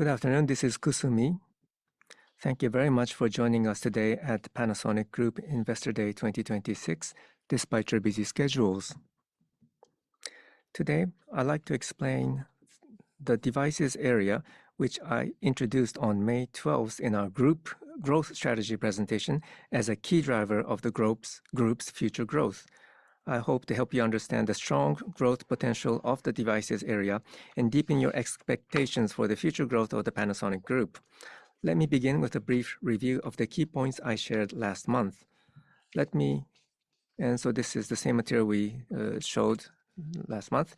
Good afternoon. This is Kusumi. Thank you very much for joining us today at Panasonic Group Investor Day 2026 despite your busy schedules. Today, I'd like to explain the devices area, which I introduced on May 12th in our Group Growth Strategy presentation, as a key driver of the Group's future growth. I hope to help you understand the strong growth potential of the devices area and deepen your expectations for the future growth of the Panasonic Group. Let me begin with a brief review of the key points I shared last month. This is the same material we showed last month.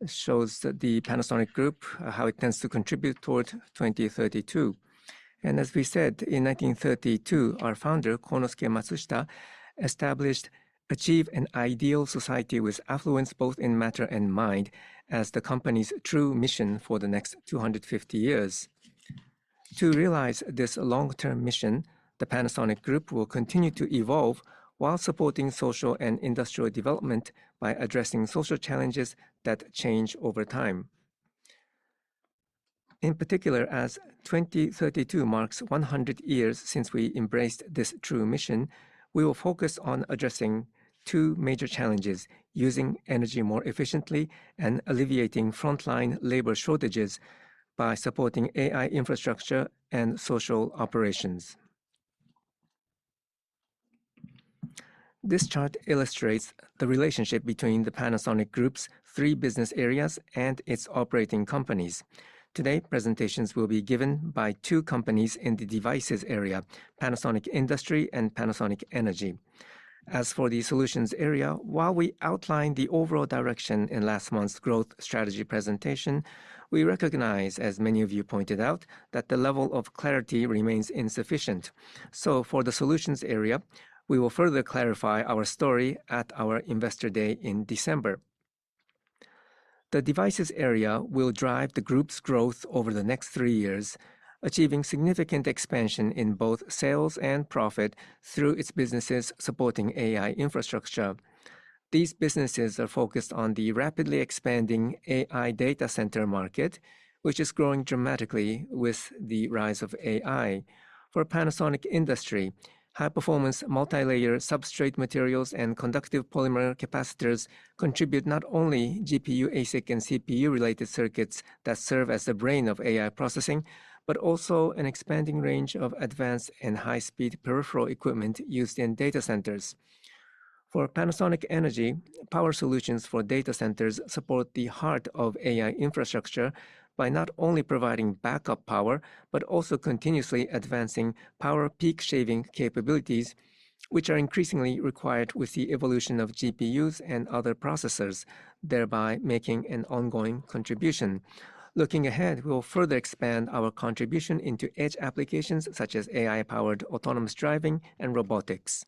It shows the Panasonic Group, how it intends to contribute toward 2032. As we said, in 1932, our founder, Konosuke Matsushita, established "Achieve an ideal society with affluence both in matter and mind" as the company's true mission for the next 250 years. To realize this long-term mission, the Panasonic Group will continue to evolve while supporting social and industrial development by addressing social challenges that change over time. In particular, as 2032 marks 100 years since we embraced this true mission, we will focus on addressing two major challenges: using energy more efficiently and alleviating frontline labor shortages by supporting AI infrastructure and social operations. This chart illustrates the relationship between the Panasonic Group's three business areas and its operating companies. Today, presentations will be given by two companies in the devices area, Panasonic Industry and Panasonic Energy. As for the solutions area, while we outline the overall direction in last month's growth strategy presentation, we recognize, as many of you pointed out, that the level of clarity remains insufficient. For the solutions area, we will further clarify our story at our Investor Day in December. The devices area will drive the Group's growth over the next three years, achieving significant expansion in both sales and profit through its businesses supporting AI infrastructure. These businesses are focused on the rapidly expanding AI data center market, which is growing dramatically with the rise of AI. For Panasonic Industry, high-performance multilayer substrate materials and conductive polymer capacitors contribute not only GPU, ASIC, and CPU-related circuits that serve as the brain of AI processing, but also an expanding range of advanced and high-speed peripheral equipment used in data centers. For Panasonic Energy, power solutions for data centers support the heart of AI infrastructure by not only providing backup power, but also continuously advancing power peak shaving capabilities, which are increasingly required with the evolution of GPUs and other processors, thereby making an ongoing contribution. Looking ahead, we'll further expand our contribution into edge applications such as AI-powered autonomous driving and robotics.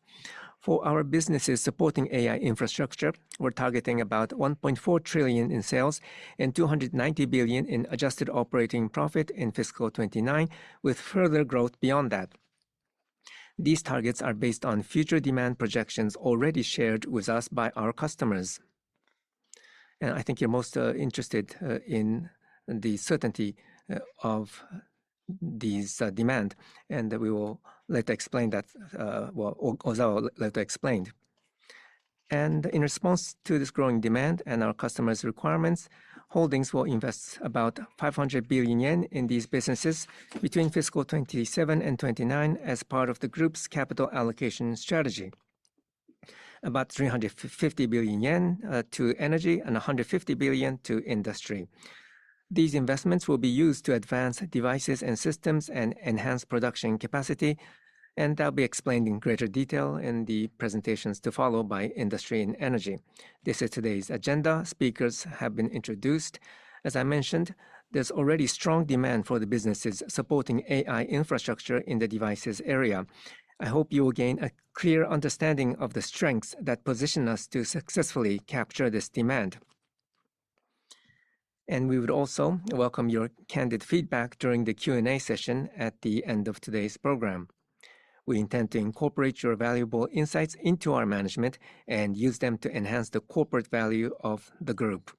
For our businesses supporting AI infrastructure, we're targeting about 1.4 trillion in sales and 290 billion in adjusted operating profit in fiscal 2029, with further growth beyond that. These targets are based on future demand projections already shared with us by our customers. I think you're most interested in the certainty of these demand. We will later explain that. Ozawa will later explain. In response to this growing demand and our customers' requirements, Holdings will invest about 500 billion yen in these businesses between fiscal 2027 and FY 2029 as part of the Group's capital allocation strategy. About 350 billion yen to Energy and 150 billion to Industry. These investments will be used to advance devices and systems and enhance production capacity, that will be explained in greater detail in the presentations to follow by industry and energy. This is today's agenda. Speakers have been introduced. As I mentioned, there is already strong demand for the businesses supporting AI infrastructure in the devices area. I hope you will gain a clear understanding of the strengths that position us to successfully capture this demand. We would also welcome your candid feedback during the Q&A session at the end of today's program. We intend to incorporate your valuable insights into our management and use them to enhance the corporate value of the group.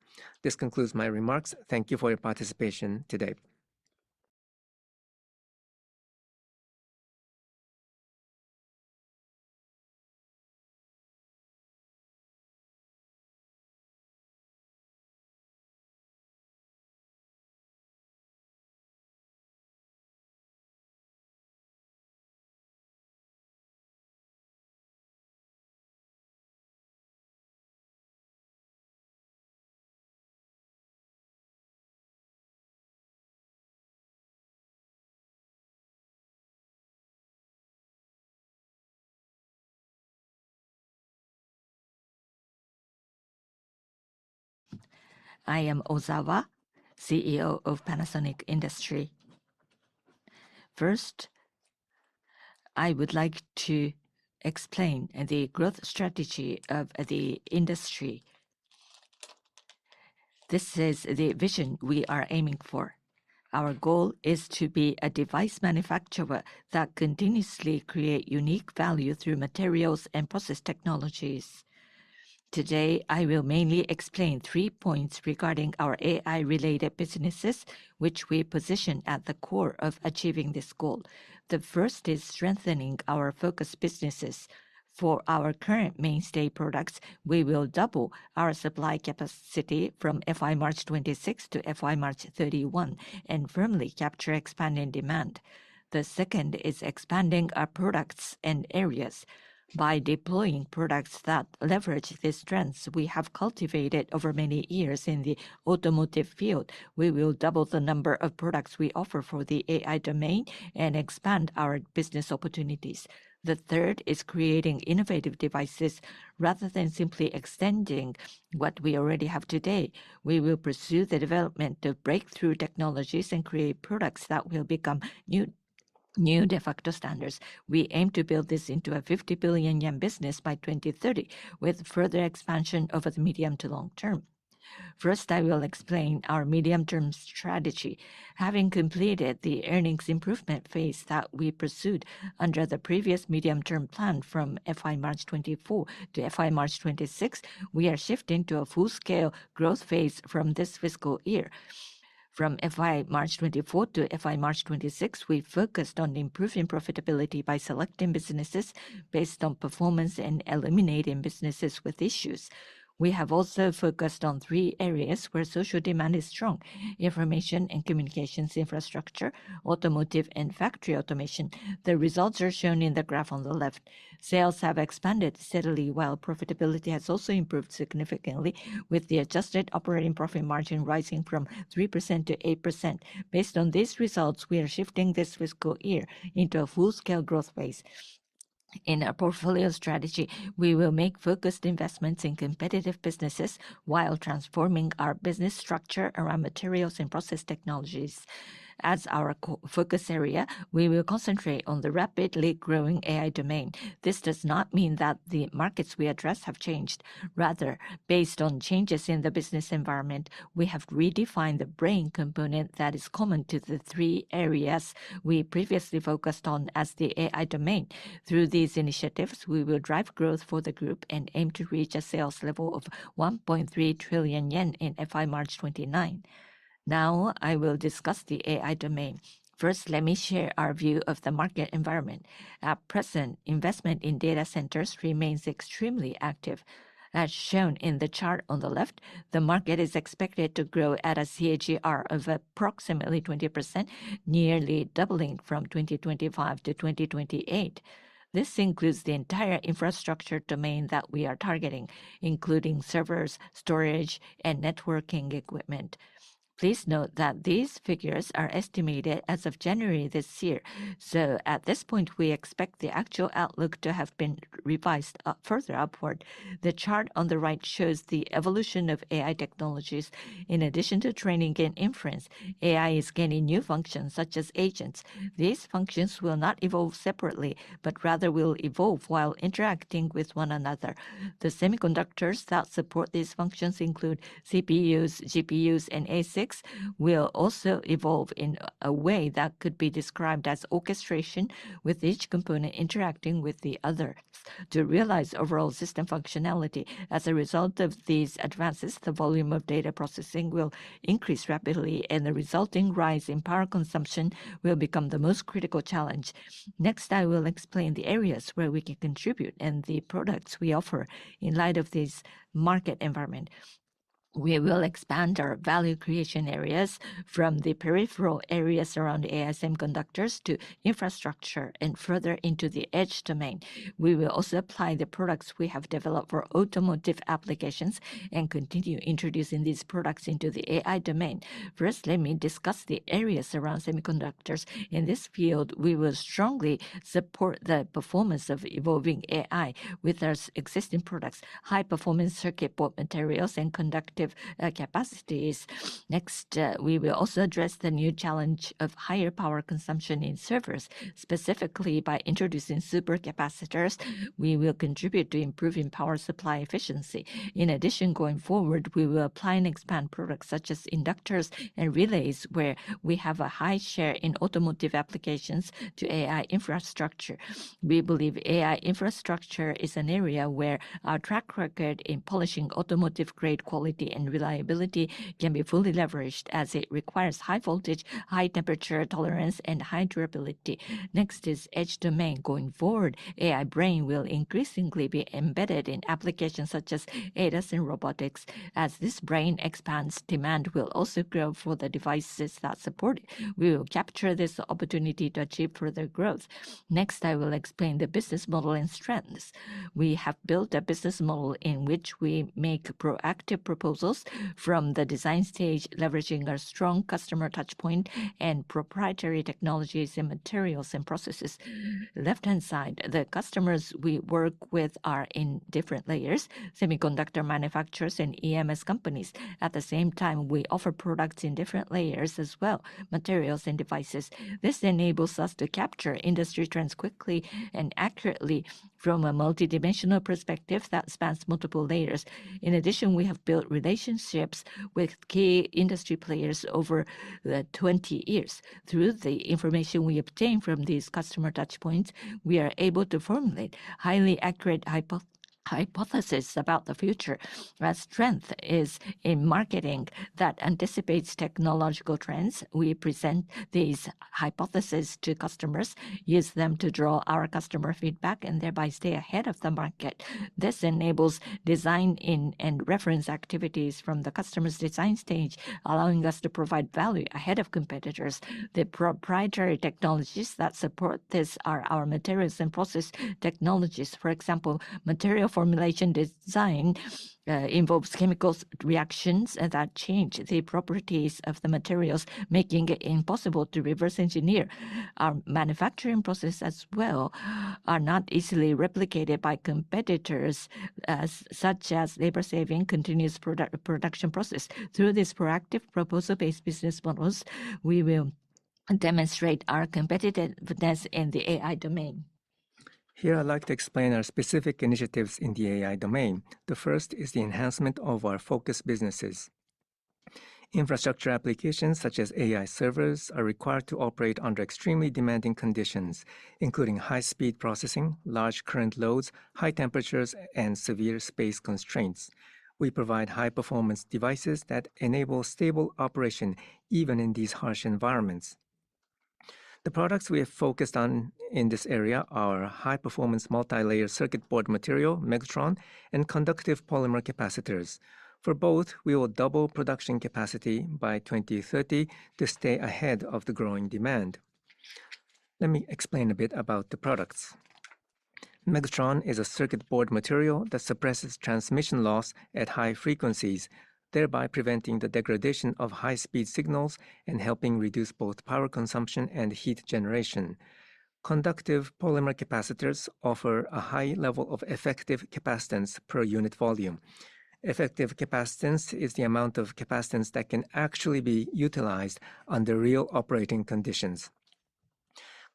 This concludes my remarks. Thank you for your participation today. I am Ozawa, CEO of Panasonic Industry. First, I would like to explain the growth strategy of the Industry. This is the vision we are aiming for. Our goal is to be a device manufacturer that continuously create unique value through materials and process technologies. Today, I will mainly explain three points regarding our AI-related businesses, which we position at the core of achieving this goal. The first is strengthening our focus businesses. For our current mainstay products, we will double our supply capacity from FY March 2026 to FY March 2031 and firmly capture expanding demand. The second is expanding our products and areas. By deploying products that leverage the strengths we have cultivated over many years in the automotive field, we will double the number of products we offer for the AI domain and expand our business opportunities. The third is creating innovative devices rather than simply extending what we already have today. We will pursue the development of breakthrough technologies and create products that will become new de facto standards. We aim to build this into a 50 billion yen business by 2030, with further expansion over the medium to long term. First, I will explain our medium-term strategy. Having completed the earnings improvement phase that we pursued under the previous medium-term plan from FY March 2024 to FY March 2026, we are shifting to a full-scale growth phase from this fiscal year. From FY March 2024 to FY March 2026, we focused on improving profitability by selecting businesses based on performance and eliminating businesses with issues. We have also focused on three areas where social demand is strong: information and communications infrastructure, automotive, and factory automation. The results are shown in the graph on the left. Sales have expanded steadily, while profitability has also improved significantly, with the adjusted operating profit margin rising from 3% to 8%. Based on these results, we are shifting this fiscal year into a full-scale growth phase. In our portfolio strategy, we will make focused investments in competitive businesses while transforming our business structure around materials and process technologies. As our core focus area, we will concentrate on the rapidly growing AI domain. This does not mean that the markets we address have changed. Rather, based on changes in the business environment, we have redefined the brain component that is common to the three areas we previously focused on as the AI domain. Through these initiatives, we will drive growth for the group and aim to reach a sales level of 1.3 trillion yen in FY March 2029. Now, I will discuss the AI domain. First, let me share our view of the market environment. At present, investment in data centers remains extremely active. As shown in the chart on the left, the market is expected to grow at a CAGR of approximately 20%, nearly doubling from 2025 to 2028. This includes the entire infrastructure domain that we are targeting, including servers, storage, and networking equipment. Please note that these figures are estimated as of January this year. At this point, we expect the actual outlook to have been revised further upward. The chart on the right shows the evolution of AI technologies. In addition to training and inference, AI is gaining new functions such as agents. These functions will not evolve separately, but rather will evolve while interacting with one another. The semiconductors that support these functions include CPUs, GPUs, and ASICs will also evolve in a way that could be described as orchestration, with each component interacting with the other to realize overall system functionality. As a result of these advances, the volume of data processing will increase rapidly and the resulting rise in power consumption will become the most critical challenge. Next, I will explain the areas where we can contribute and the products we offer in light of this market environment. We will expand our value creation areas from the peripheral areas around semiconductors to infrastructure and further into the edge domain. We will also apply the products we have developed for automotive applications and continue introducing these products into the AI domain. First, let me discuss the areas around semiconductors. In this field, we will strongly support the performance of evolving AI with our existing products, high-performance circuit board materials, and conductive polymer capacitors. We will also address the new challenge of higher power consumption in servers, specifically by introducing supercapacitors, we will contribute to improving power supply efficiency. In addition, going forward, we will apply and expand products such as inductors and relays, where we have a high share in automotive applications to AI infrastructure. We believe AI infrastructure is an area where our track record in polishing automotive-grade quality and reliability can be fully leveraged as it requires high voltage, high temperature tolerance, and high durability. Edge domain. Going forward, AI brain will increasingly be embedded in applications such as ADAS and robotics. As this brain expands, demand will also grow for the devices that support it. We will capture this opportunity to achieve further growth. Next, I will explain the business model and strengths. We have built a business model in which we make proactive proposals from the design stage, leveraging our strong customer touchpoint and proprietary technologies in materials and processes. Left-hand side, the customers we work with are in different layers, semiconductor manufacturers and EMS companies. At the same time, we offer products in different layers as well, materials and devices. This enables us to capture industry trends quickly and accurately from a multidimensional perspective that spans multiple layers. In addition, we have built relationships with key industry players over the 20 years. Through the information we obtain from these customer touchpoints, we are able to formulate highly accurate hypothesis about the future. Our strength is in marketing that anticipates technological trends. We present these hypotheses to customers, use them to draw our customer feedback, and thereby stay ahead of the market. This enables design and reference activities from the customer's design stage, allowing us to provide value ahead of competitors. The proprietary technologies that support this are our materials and process technologies. For example, material formulation design involves chemical reactions that change the properties of the materials, making it impossible to reverse engineer. Our manufacturing process as well are not easily replicated by competitors, such as labor-saving continuous production process. Through these proactive proposal-based business models, we will demonstrate our competitiveness in the AI domain. I'd like to explain our specific initiatives in the AI domain. The first is the enhancement of our focused businesses. Infrastructure applications such as AI servers are required to operate under extremely demanding conditions, including high-speed processing, large current loads, high temperatures, and severe space constraints. We provide high-performance devices that enable stable operation even in these harsh environments. The products we have focused on in this area are high-performance multilayer circuit board material, MEGTRON, and conductive polymer capacitors. For both, we will double production capacity by 2030 to stay ahead of the growing demand. Let me explain a bit about the products. MEGTRON is a circuit board material that suppresses transmission loss at high frequencies, thereby preventing the degradation of high-speed signals and helping reduce both power consumption and heat generation. Conductive polymer capacitors offer a high level of effective capacitance per unit volume. Effective capacitance is the amount of capacitance that can actually be utilized under real operating conditions.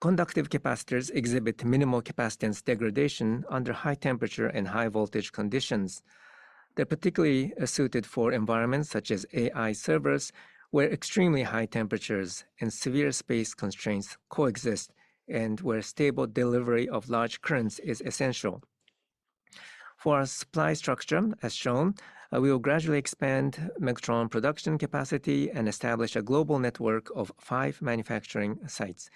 Conductive capacitors exhibit minimal capacitance degradation under high temperature and high voltage conditions. They're particularly suited for environments such as AI servers, where extremely high temperatures and severe space constraints coexist, and where stable delivery of large currents is essential. For our supply structure, as shown, we will gradually expand MEGTRON production capacity and establish a global network of five manufacturing sites.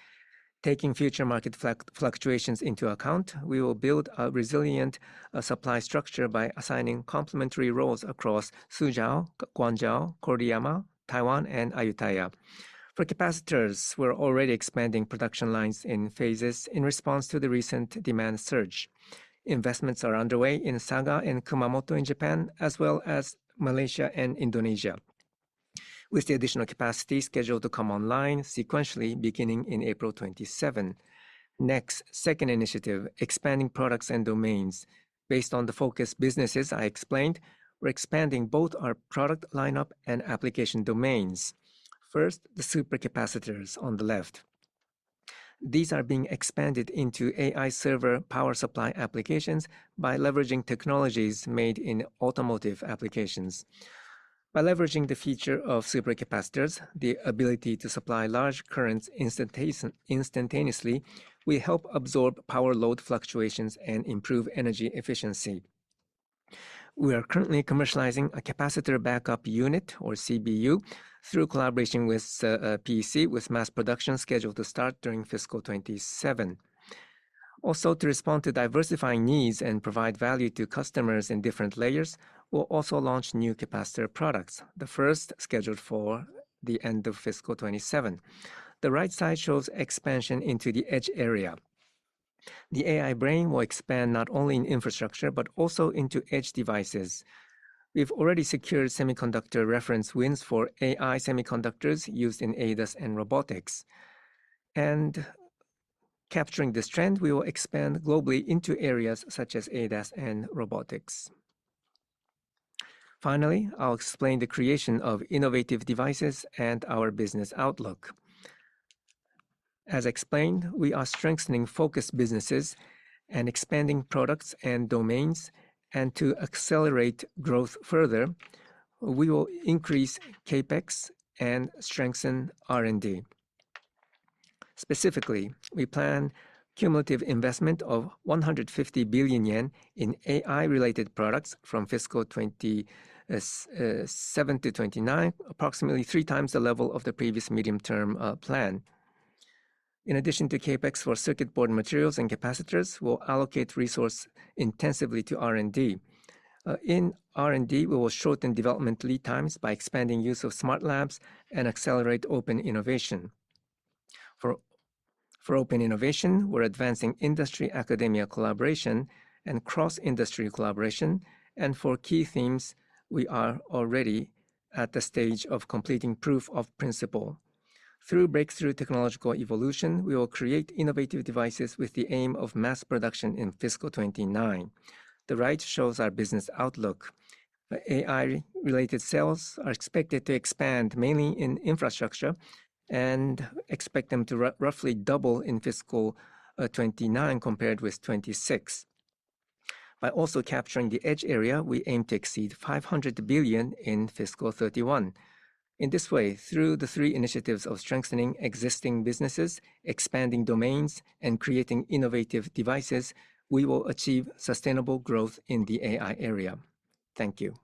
Taking future market fluctuations into account, we will build a resilient supply structure by assigning complementary roles across Suzhou, Guangzhou, Koriyama, Taiwan, and Ayutthaya. For capacitors, we're already expanding production lines in phases in response to the recent demand surge. Investments are underway in Saga and Kumamoto in Japan, as well as Malaysia and Indonesia, with the additional capacity scheduled to come online sequentially beginning in April 2027. Next, second initiative, expanding products and domains. Based on the focus businesses I explained, we're expanding both our product lineup and application domains. First, the supercapacitors on the left. These are being expanded into AI server power supply applications by leveraging technologies made in automotive applications. By leveraging the feature of supercapacitors, the ability to supply large currents instantaneously, we help absorb power load fluctuations and improve energy efficiency. We are currently commercializing a capacitor backup unit, or CBU, through collaboration with PEC, with mass production scheduled to start during fiscal 2027. To respond to diversifying needs and provide value to customers in different layers, we'll also launch new capacitor products, the first scheduled for the end of fiscal 2027. The right side shows expansion into the edge area. The AI brain will expand not only in infrastructure but also into edge devices. We've already secured semiconductor reference wins for AI semiconductors used in ADAS and robotics. Capturing this trend, we will expand globally into areas such as ADAS and robotics. Finally, I'll explain the creation of innovative devices and our business outlook. As explained, we are strengthening focus businesses and expanding products and domains. To accelerate growth further, we will increase CapEx and strengthen R&D. Specifically, we plan cumulative investment of 150 billion yen in AI-related products from fiscal 2027 to 2029, approximately 3x the level of the previous medium-term plan. In addition to CapEx for circuit board materials and capacitors, we'll allocate resource intensively to R&D. In R&D, we will shorten development lead times by expanding use of smart labs and accelerate open innovation. For open innovation, we're advancing industry/academia collaboration and cross-industry collaboration. For key themes, we are already at the stage of completing proof of principle. Through breakthrough technological evolution, we will create innovative devices with the aim of mass production in fiscal 2029. The right shows our business outlook. AI-related sales are expected to expand mainly in infrastructure and expect them to roughly double in fiscal 2029 compared with 2026. By also capturing the edge area, we aim to exceed 500 billion in fiscal 2031. In this way, through the three initiatives of strengthening existing businesses, expanding domains, and creating innovative devices, we will achieve sustainable growth in the AI area. Thank you.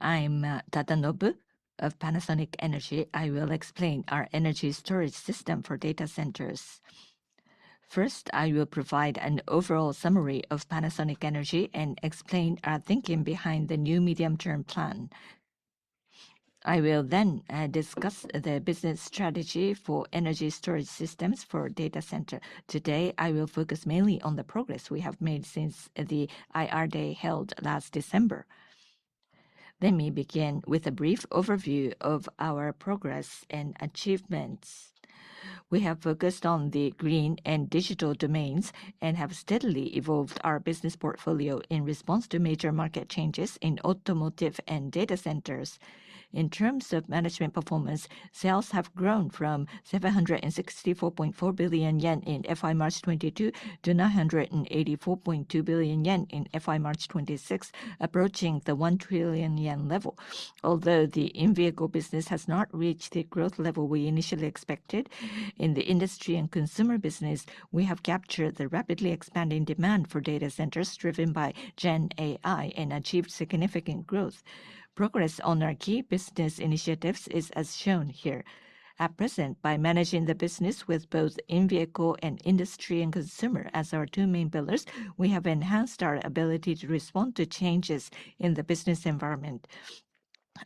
I'm Tadanobu of Panasonic Energy. I will explain our energy storage system for data centers. First, I will provide an overall summary of Panasonic Energy and explain our thinking behind the new medium-term plan. I will then discuss the business strategy for energy storage systems for data center. Today, I will focus mainly on the progress we have made since the IR Day held last December. Let me begin with a brief overview of our progress and achievements. We have focused on the green and digital domains and have steadily evolved our business portfolio in response to major market changes in automotive and data centers. In terms of management performance, sales have grown from 764.4 billion yen in FY March 2022 to 984.2 billion yen in FY March 2026, approaching the 1 trillion yen level. Although the in-vehicle business has not reached the growth level we initially expected, in the industry and consumer business, we have captured the rapidly expanding demand for data centers driven by Gen AI and achieved significant growth. Progress on our key business initiatives is as shown here. At present, by managing the business with both in-vehicle and industry and consumer as our two main pillars, we have enhanced our ability to respond to changes in the business environment.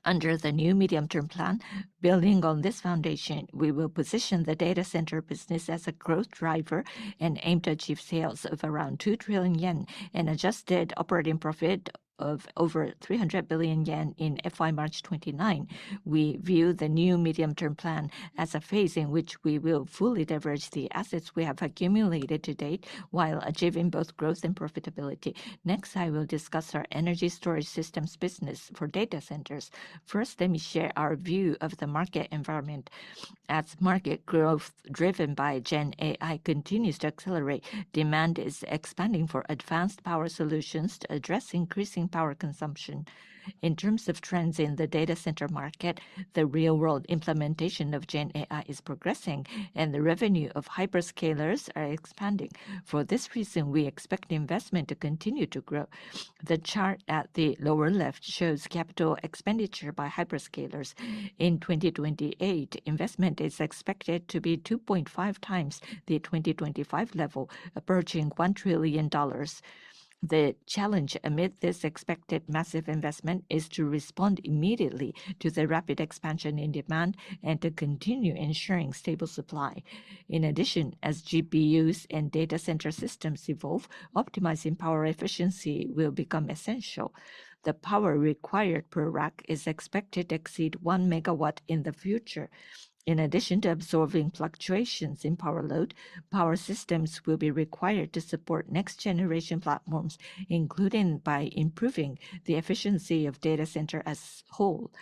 Under the new medium-term plan, building on this foundation, we will position the data center business as a growth driver and aim to achieve sales of around 2 trillion yen, an adjusted operating profit of over 300 billion yen in FY March 2029. We view the new medium-term plan as a phase in which we will fully leverage the assets we have accumulated to date while achieving both growth and profitability. Next, I will discuss our energy storage systems business for data centers. First, let me share our view of the market environment. As market growth driven by Gen AI continues to accelerate, demand is expanding for advanced power solutions to address increasing power consumption. In terms of trends in the data center market, the real-world implementation of Gen AI is progressing and the revenue of hyperscalers are expanding. For this reason, we expect investment to continue to grow. The chart at the lower left shows capital expenditure by hyperscalers. In 2028, investment is expected to be 2.5x the 2025 level, approaching $1 trillion. The challenge amid this expected massive investment is to respond immediately to the rapid expansion in demand and to continue ensuring stable supply. In addition, as GPUs and data center systems evolve, optimizing power efficiency will become essential. The power required per rack is expected to exceed 1 MW in the future. In addition to absorbing fluctuations in power load, power systems will be required to support next-generation platforms, including by improving the efficiency of data center as whole.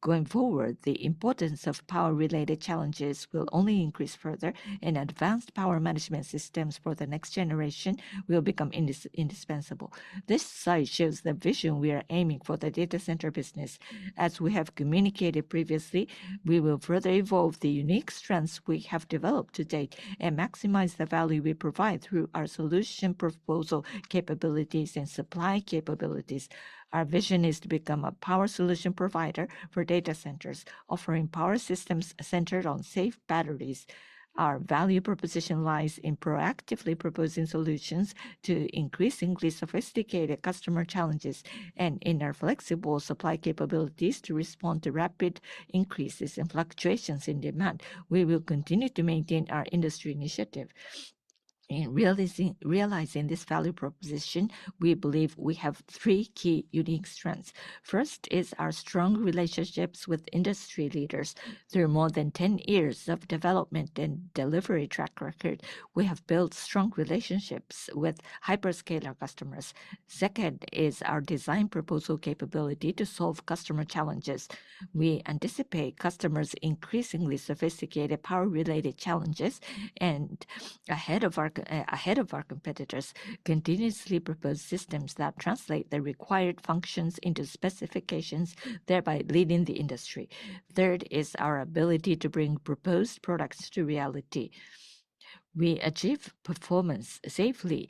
Going forward, the importance of power-related challenges will only increase further. Advanced power management systems for the next generation will become indispensable. This slide shows the vision we are aiming for the data center business. As we have communicated previously, we will further evolve the unique strengths we have developed to date and maximize the value we provide through our solution proposal capabilities and supply capabilities. Our vision is to become a power solution provider for data centers, offering power systems centered on safe batteries. Our value proposition lies in proactively proposing solutions to increasingly sophisticated customer challenges and in our flexible supply capabilities to respond to rapid increases and fluctuations in demand. We will continue to maintain our industry initiative. In realizing this value proposition, we believe we have three key unique strengths. First is our strong relationships with industry leaders. Through more than 10 years of development and delivery track record, we have built strong relationships with hyperscaler customers. Second is our design proposal capability to solve customer challenges. We anticipate customers' increasingly sophisticated power-related challenges. Ahead of our competitors, continuously propose systems that translate the required functions into specifications, thereby leading the industry. Third is our ability to bring proposed products to reality. We achieve performance, safety,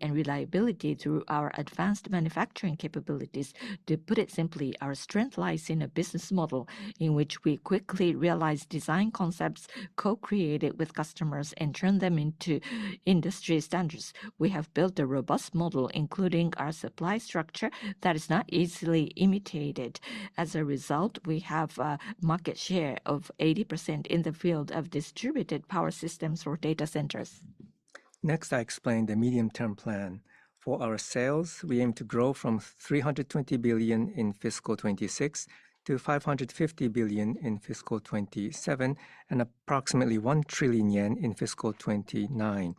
and reliability through our advanced manufacturing capabilities. To put it simply, our strength lies in a business model in which we quickly realize design concepts, co-create it with customers, and turn them into industry standards. We have built a robust model, including our supply structure, that is not easily imitated. As a result, we have a market share of 80% in the field of distributed power systems for data centers. Next, I explain the medium-term plan. For our sales, we aim to grow from 320 billion in fiscal 2026 to 550 billion in fiscal 2027 and approximately 1 trillion yen in fiscal 2029.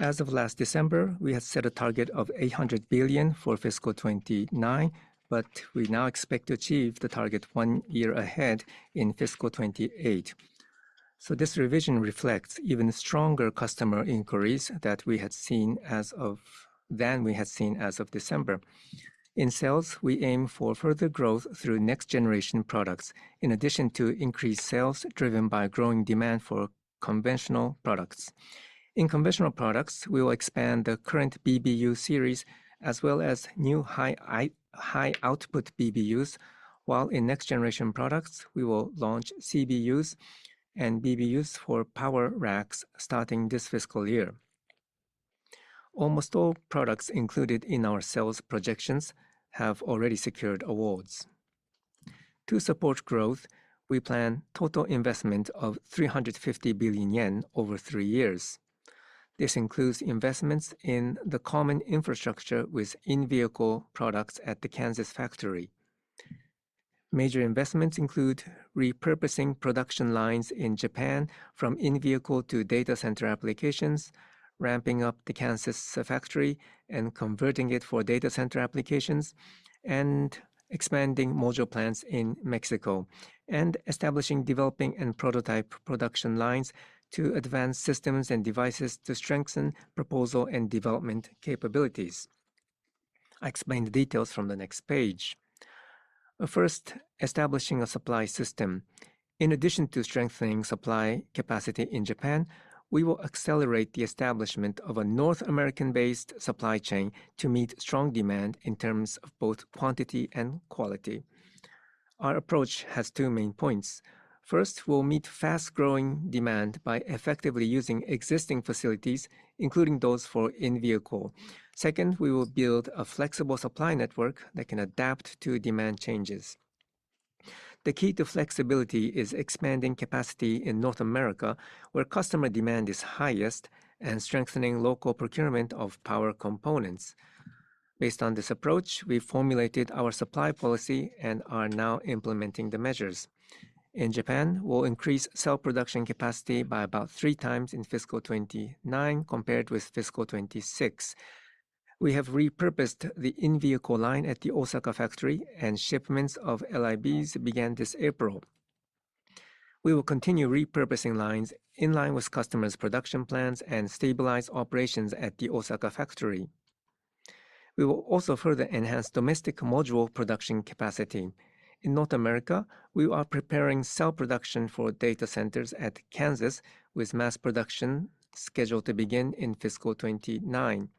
As of last December, we had set a target of 800 billion for fiscal 2029, but we now expect to achieve the target one year ahead in fiscal 2028. This revision reflects even stronger customer inquiries than we had seen as of December. In sales, we aim for further growth through next-generation products, in addition to increased sales driven by growing demand for conventional products. In conventional products, we will expand the current BBU series, as well as new high output BBUs, while in next-generation products, we will launch CBUs and BBUs for power racks starting this fiscal year. Almost all products included in our sales projections have already secured awards. To support growth, we plan total investment of 350 billion yen over three years. This includes investments in the common infrastructure with in-vehicle products at the Kansas factory. Major investments include repurposing production lines in Japan from in-vehicle to data center applications, ramping up the Kansas factory and converting it for data center applications, and expanding module plants in Mexico establishing developing and prototype production lines to advance systems and devices to strengthen proposal and development capabilities. I explain the details from the next page. First, establishing a supply system. In addition to strengthening supply capacity in Japan, we will accelerate the establishment of a North American-based supply chain to meet strong demand in terms of both quantity and quality. Our approach has two main points. First, we will meet fast-growing demand by effectively using existing facilities, including those for in-vehicle. Second, we will build a flexible supply network that can adapt to demand changes. The key to flexibility is expanding capacity in North America, where customer demand is highest, and strengthening local procurement of power components. Based on this approach, we formulated our supply policy and are now implementing the measures. In Japan, we will increase cell production capacity by about three times in fiscal 2029 compared with fiscal 2026. We have repurposed the in-vehicle line at the Osaka factory, and shipments of LIBs began this April. We will continue repurposing lines in line with customers' production plans and stabilize operations at the Osaka factory. We will also further enhance domestic module production capacity. In North America, we are preparing cell production for data centers at Kansas, with mass production scheduled to begin in fiscal 2029.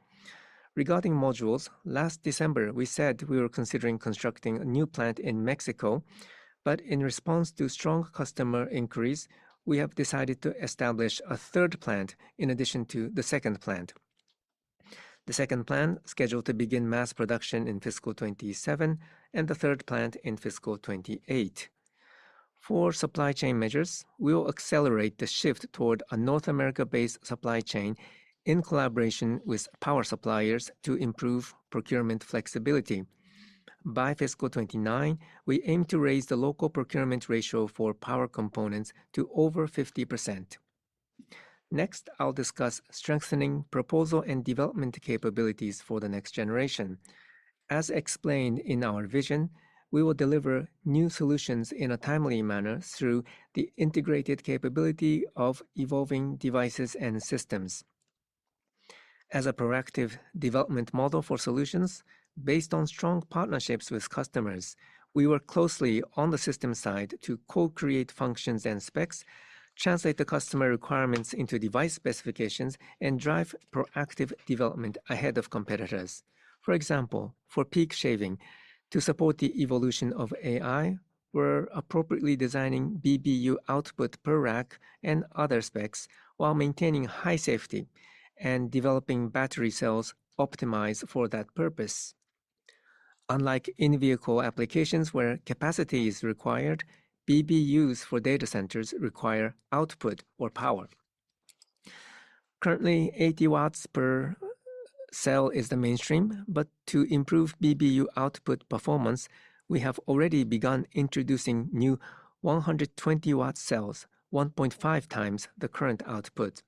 Regarding modules, last December, we said we were considering constructing a new plant in Mexico, but in response to strong customer inquiries, we have decided to establish a third plant in addition to the second plant. The second plant, scheduled to begin mass production in fiscal 2027, and the third plant in fiscal 2028. For supply chain measures, we will accelerate the shift toward a North America-based supply chain in collaboration with power suppliers to improve procurement flexibility. By fiscal 2029, we aim to raise the local procurement ratio for power components to over 50%. Next, I will discuss strengthening proposal and development capabilities for the next generation. As explained in our vision, we will deliver new solutions in a timely manner through the integrated capability of evolving devices and systems. As a proactive development model for solutions, based on strong partnerships with customers, we work closely on the system side to co-create functions and specs, translate the customer requirements into device specifications, and drive proactive development ahead of competitors. For example, for peak shaving, to support the evolution of AI, we're appropriately designing BBU output per rack and other specs while maintaining high safety and developing battery cells optimized for that purpose. Unlike in-vehicle applications where capacity is required, BBUs for data centers require output or power. Currently, 80 W per cell is the mainstream, but to improve BBU output performance, we have already begun introducing new 120 W cells, 1.5x the current output.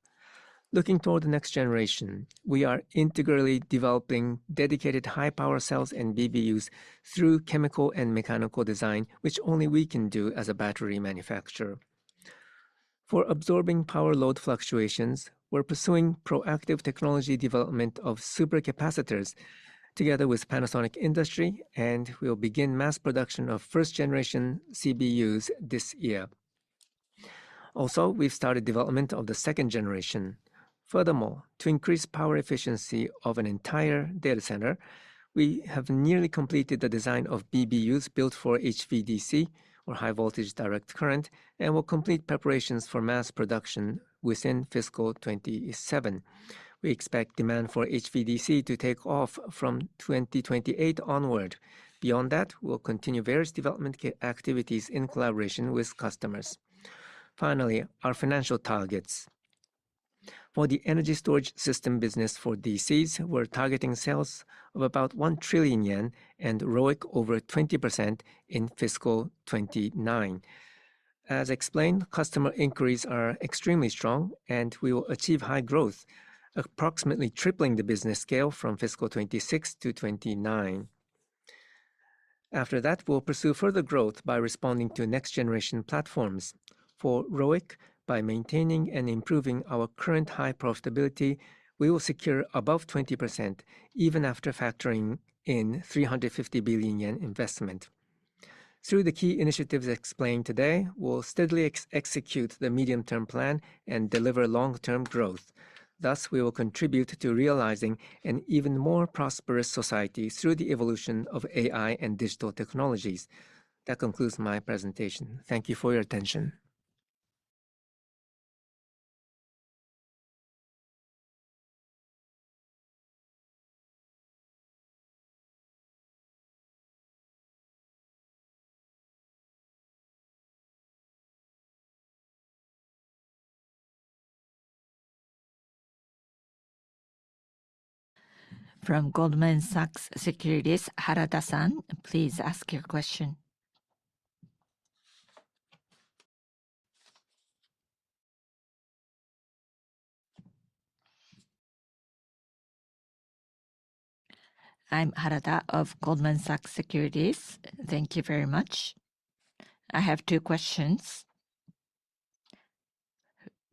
Looking toward the next generation, we are integrally developing dedicated high-power cells and BBUs through chemical and mechanical design, which only we can do as a battery manufacturer. For absorbing power load fluctuations, we're pursuing proactive technology development of supercapacitors together with Panasonic Industry, and we'll begin mass production of first-generation CBUs this year. Also, we've started development of the second generation. Furthermore, to increase power efficiency of an entire data center, we have nearly completed the design of BBUs built for HVDC, or high voltage direct current, and will complete preparations for mass production within fiscal 2027. We expect demand for HVDC to take off from 2028 onward. Beyond that, we'll continue various development activities in collaboration with customers. Finally, our financial targets. For the energy storage system business for DCs, we're targeting sales of about 1 trillion yen and ROIC over 20% in fiscal 2029. As explained, customer inquiries are extremely strong, and we will achieve high growth, approximately tripling the business scale from fiscal 2026 to 2029. After that, we'll pursue further growth by responding to next-generation platforms. For ROIC, by maintaining and improving our current high profitability, we will secure above 20%, even after factoring in 350 billion yen investment. Through the key initiatives explained today, we'll steadily execute the medium-term plan and deliver long-term growth. Thus, we will contribute to realizing an even more prosperous society through the evolution of AI and digital technologies. That concludes my presentation. Thank you for your attention. From Goldman Sachs Securities, Harada-san, please ask your question. I'm Harada of Goldman Sachs Securities. Thank you very much. I have two questions.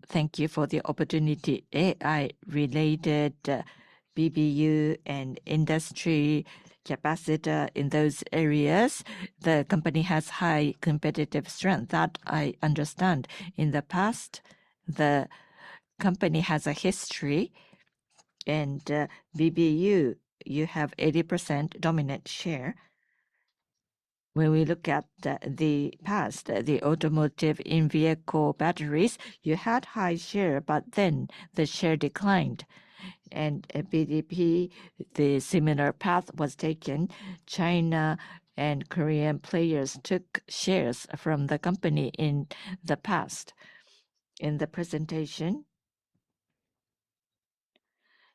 Thank you for the opportunity. AI-related BBU and industry capacitor in those areas, the company has high competitive strength. That I understand. In the past, the company has a history, and BBU, you have 80% dominant share. When we look at the past, the automotive in-vehicle batteries, you had high share, but then the share declined. PDP, the similar path was taken. China and Korean players took shares from the company in the past. In the presentation,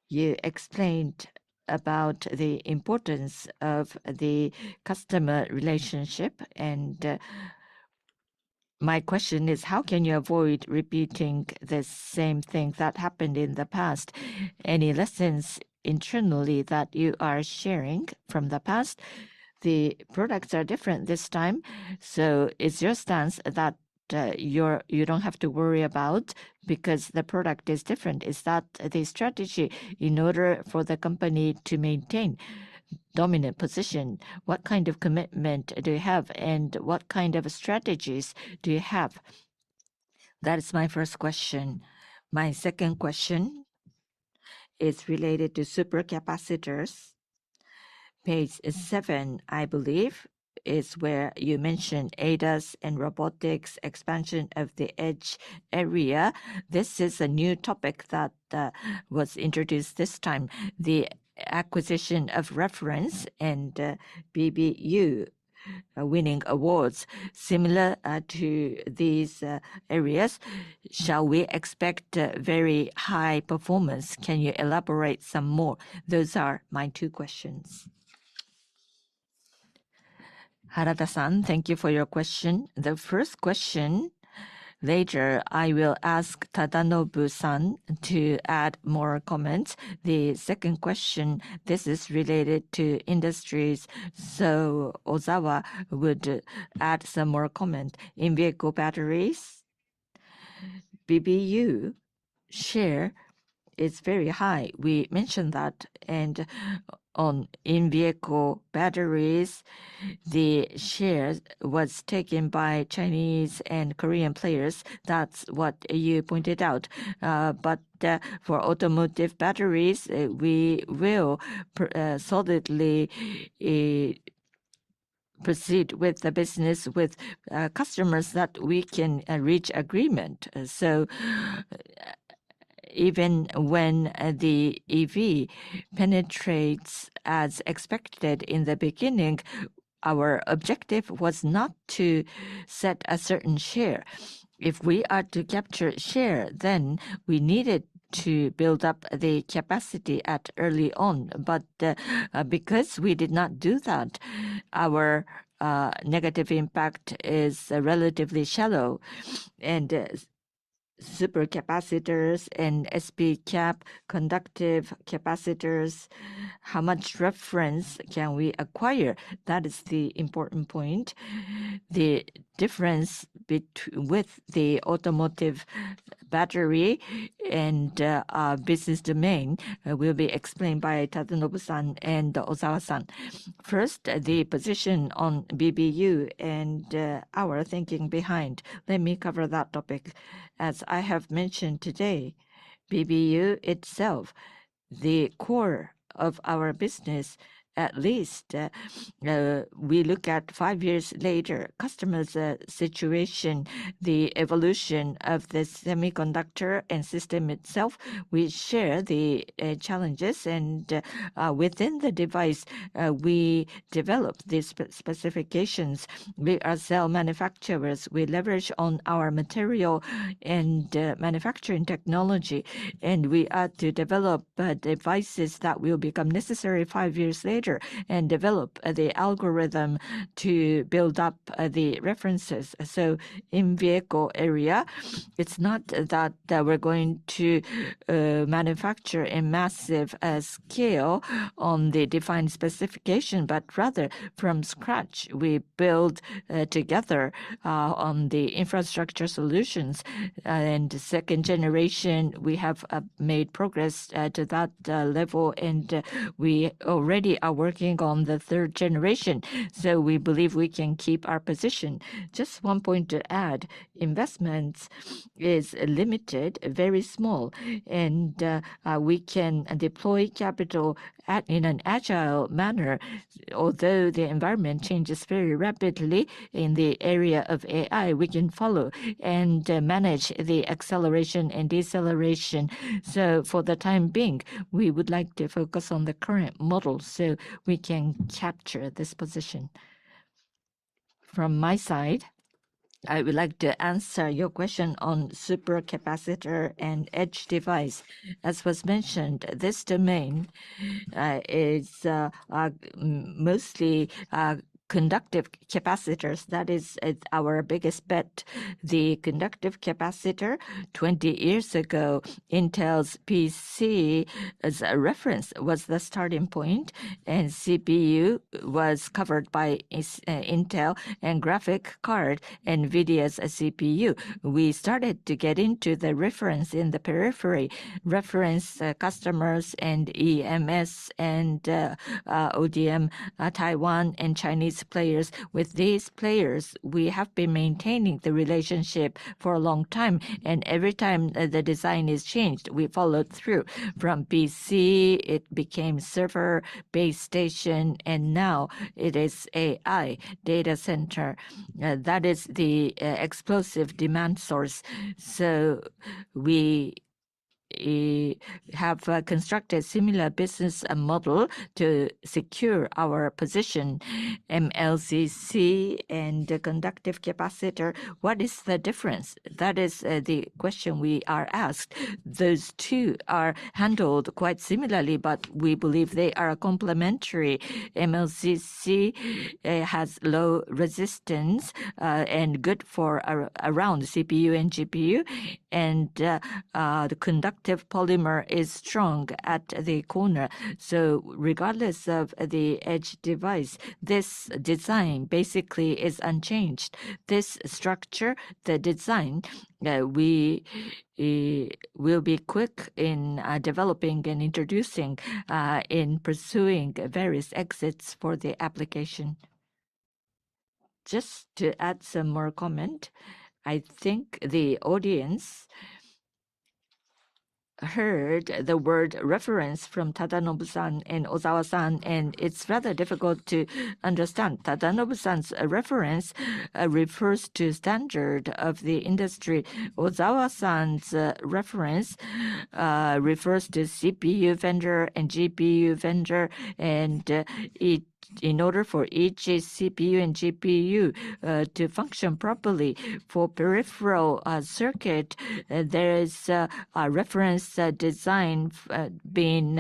you explained about the importance of the customer relationship, and my question is, how can you avoid repeating the same thing that happened in the past? Any lessons internally that you are sharing from the past? The products are different this time. Is your stance that you don't have to worry about because the product is different? Is that the strategy in order for the company to maintain dominant position? What kind of commitment do you have, and what kind of strategies do you have? That is my first question. My second question is related to supercapacitors. Page seven, I believe, is where you mentioned ADAS and robotics expansion of the edge area. This is a new topic that was introduced this time, the acquisition of reference and BBU winning awards. Similar to these areas, shall we expect very high performance? Can you elaborate some more? Those are my two questions. Harada-san, thank you for your question. The first question, later, I will ask Tadanobu-san to add more comments. The second question, this is related to industries, Ozawa would add some more comment. In-vehicle batteries, BBU share is very high. We mentioned that. On in-vehicle batteries, the share was taken by Chinese and Korean players. That's what you pointed out. For automotive batteries, we will solidly proceed with the business with customers that we can reach agreement. Even when the EV penetrates as expected in the beginning, our objective was not to set a certain share. If we are to capture share, we needed to build up the capacity at early on. Because we did not do that, our negative impact is relatively shallow. Supercapacitors and SP-Cap conductive capacitors, how much reference can we acquire? That is the important point. The difference with the automotive battery and our business domain will be explained by Tadanobu-san and Ozawa-san. First, the position on BBU and our thinking behind, let me cover that topic. As I have mentioned today, BBU itself, the core of our business, at least we look at five years later, customers' situation, the evolution of the semiconductors and system itself. We share the challenges, and within the device, we develop these specifications. We are cell manufacturers. We leverage on our material and manufacturing technology, and we are to develop devices that will become necessary five years later and develop the algorithm to build up the references. In vehicle area, it's not that we're going to manufacture in massive scale on the defined specification, but rather from scratch, we build together on the infrastructure solutions. Second generation, we have made progress to that level, and we already are working on the third generation. We believe we can keep our position. Just one point to add, investment is limited, very small, and we can deploy capital in an agile manner. Although the environment changes very rapidly in the area of AI, we can follow and manage the acceleration and deceleration. For the time being, we would like to focus on the current model so we can capture this position. From my side, I would like to answer your question on supercapacitor and edge device. As was mentioned, this domain is mostly conductive capacitors. That is our biggest bet. The conductive capacitor, 20 years ago, Intel's PC, as a reference, was the starting point. CPU was covered by Intel and graphic card, NVIDIA's CPU. We started to get into the reference in the periphery, reference customers and EMS and ODM, Taiwan and Chinese players. With these players, we have been maintaining the relationship for a long time. Every time the design is changed, we followed through. From PC, it became server, base station. Now it is AI data center. That is the explosive demand source. We have constructed similar business model to secure our position. MLCC and conductive capacitor, what is the difference? That is the question we are asked. Those two are handled quite similarly, but we believe they are complementary. MLCC has low resistance and good for around CPU and GPU. The conductive polymer is strong at the corner. Regardless of the edge device, this design basically is unchanged. This structure, the design, we will be quick in developing and introducing, in pursuing various exits for the application. Just to add some more comment, I think the audience heard the word "reference" from Tadanobu-san and Ozawa-san. It's rather difficult to understand. Tadanobu-san's reference refers to standard of the industry. Ozawa-san's reference refers to CPU vendor and GPU vendor. In order for each CPU and GPU to function properly for peripheral circuit, there is a reference design being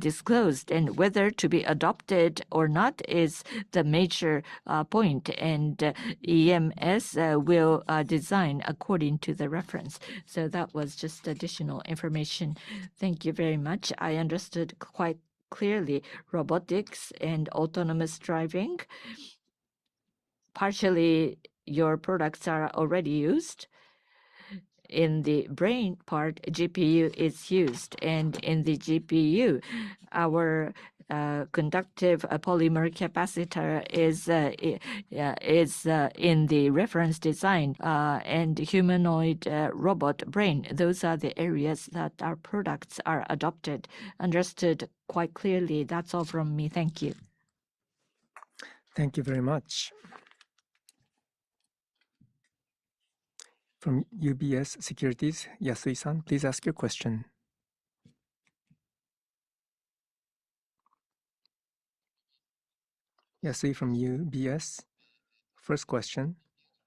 disclosed. Whether to be adopted or not is the major point. EMS will design according to the reference. That was just additional information. Thank you very much. I understood quite clearly robotics and autonomous driving. Partially, your products are already used. In the brain part, GPU is used. In the GPU, our conductive polymer capacitor is in the reference design. Humanoid robot brain, those are the areas that our products are adopted. Understood quite clearly. That's all from me. Thank you. Thank you very much. From UBS Securities, Yasui-san, please ask your question. Yasui from UBS. First question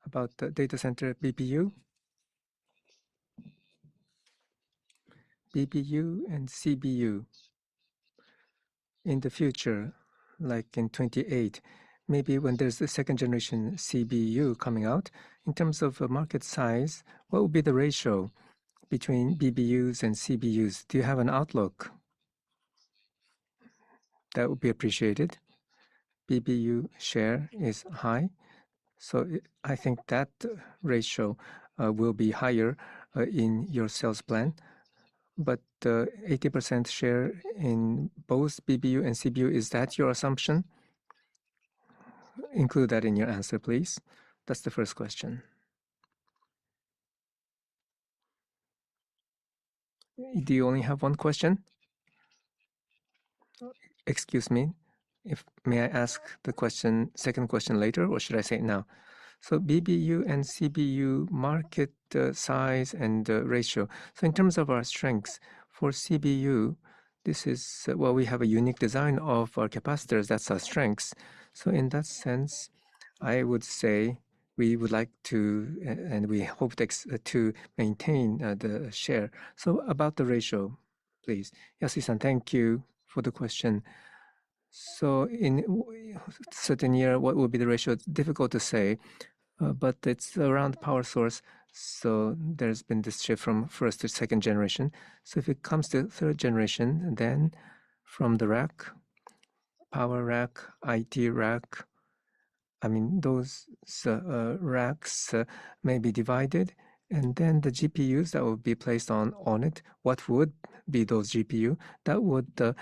about the data center BBU and CBU. In the future, like in 2028, maybe when there's a second-generation CBU coming out, in terms of market size, what would be the ratio between BBUs and CBUs? Do you have an outlook? That would be appreciated. BBU share is high, so I think that ratio will be higher in your sales plan. 80% share in both BBU and CBU, is that your assumption? Include that in your answer, please. That's the first question. Do you only have one question? Excuse me. May I ask the second question later, or should I say it now? BBU and CBU market size and ratio. In terms of our strengths, for CBU, we have a unique design of our capacitors. That's our strengths. In that sense, I would say we would like to, we hope to maintain the share. About the ratio, please. Yasui-san, thank you for the question. In a certain year, what will be the ratio? It's difficult to say, but it's around power source. There's been this shift from first to second generation. If it comes to third generation, then from the rack, power rack, IT rack, those racks may be divided. Then the GPUs that will be placed on it, what would be those GPU? That would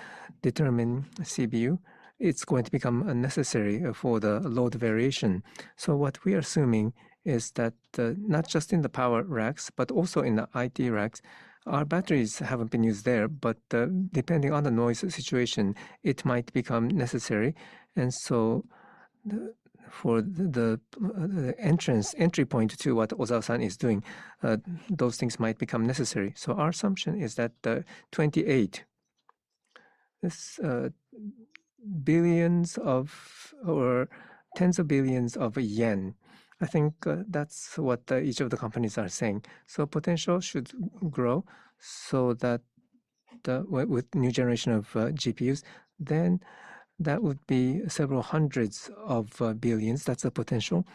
determine CBU. It's going to become necessary for the load variation. What we are assuming is that not just in the power racks but also in the IT racks, our batteries haven't been used there, but depending on the noise situation, it might become necessary. For the entry point to what Ozawa-san is doing, those things might become necessary. Our assumption is that the 2028, billions or tens of billions of JPY. I think that's what each of the companies are saying. Potential should grow so that with new generation of GPUs, then that would be several hundreds of billions of JPY. That's the potential.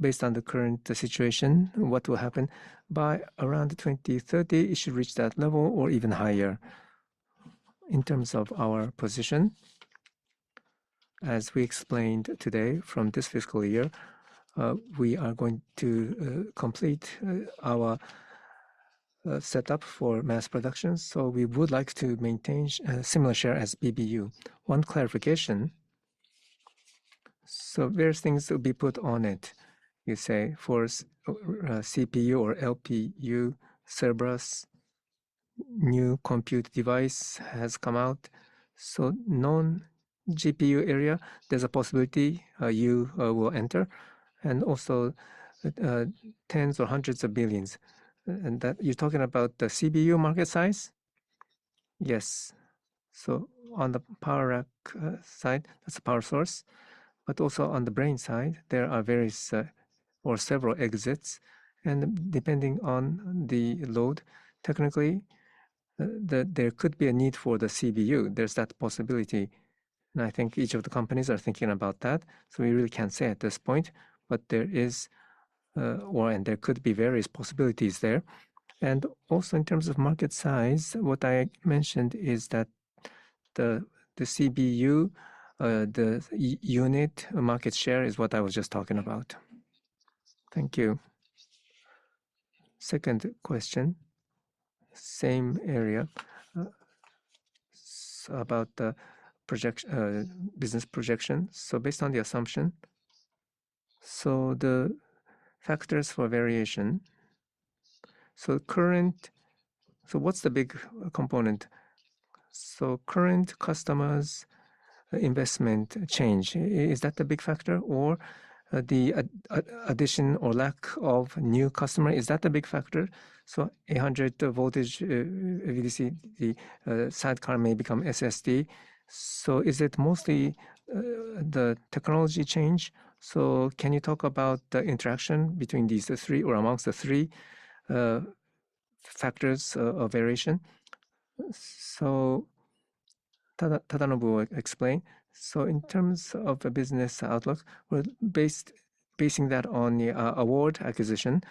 Based on the current situation, what will happen, by around 2030, it should reach that level or even higher. In terms of our position, as we explained today, from this fiscal year, we are going to complete our setup for mass production. We would like to maintain a similar share as BBU. One clarification. Various things will be put on it. You say for CPU or LPU, Cerebras, new compute device has come out. Non-GPU area, there's a possibility you will enter, and also tens or hundreds of billions . You're talking about the CBU market size? Yes. On the power rack side, that's the power source. Also on the brain side, there are various or several exits, and depending on the load, technically, there could be a need for the CBU. There's that possibility, and I think each of the companies are thinking about that. We really can't say at this point, there is or/and there could be various possibilities there. In terms of market size, what I mentioned is that the CBU, the unit market share is what I was just talking about. Thank you. Second question, same area. About the business projection. Based on the assumption, the factors for variation. What's the big component? Current customers investment change, is that the big factor, or the addition or lack of new customer, is that the big factor? 800 V HVDC, the sidecar may become SSD. Is it mostly the technology change? Can you talk about the interaction between these three or amongst the three factors of variation? Tadanobu will explain. In terms of the business outlook, we're basing that on the award acquisition.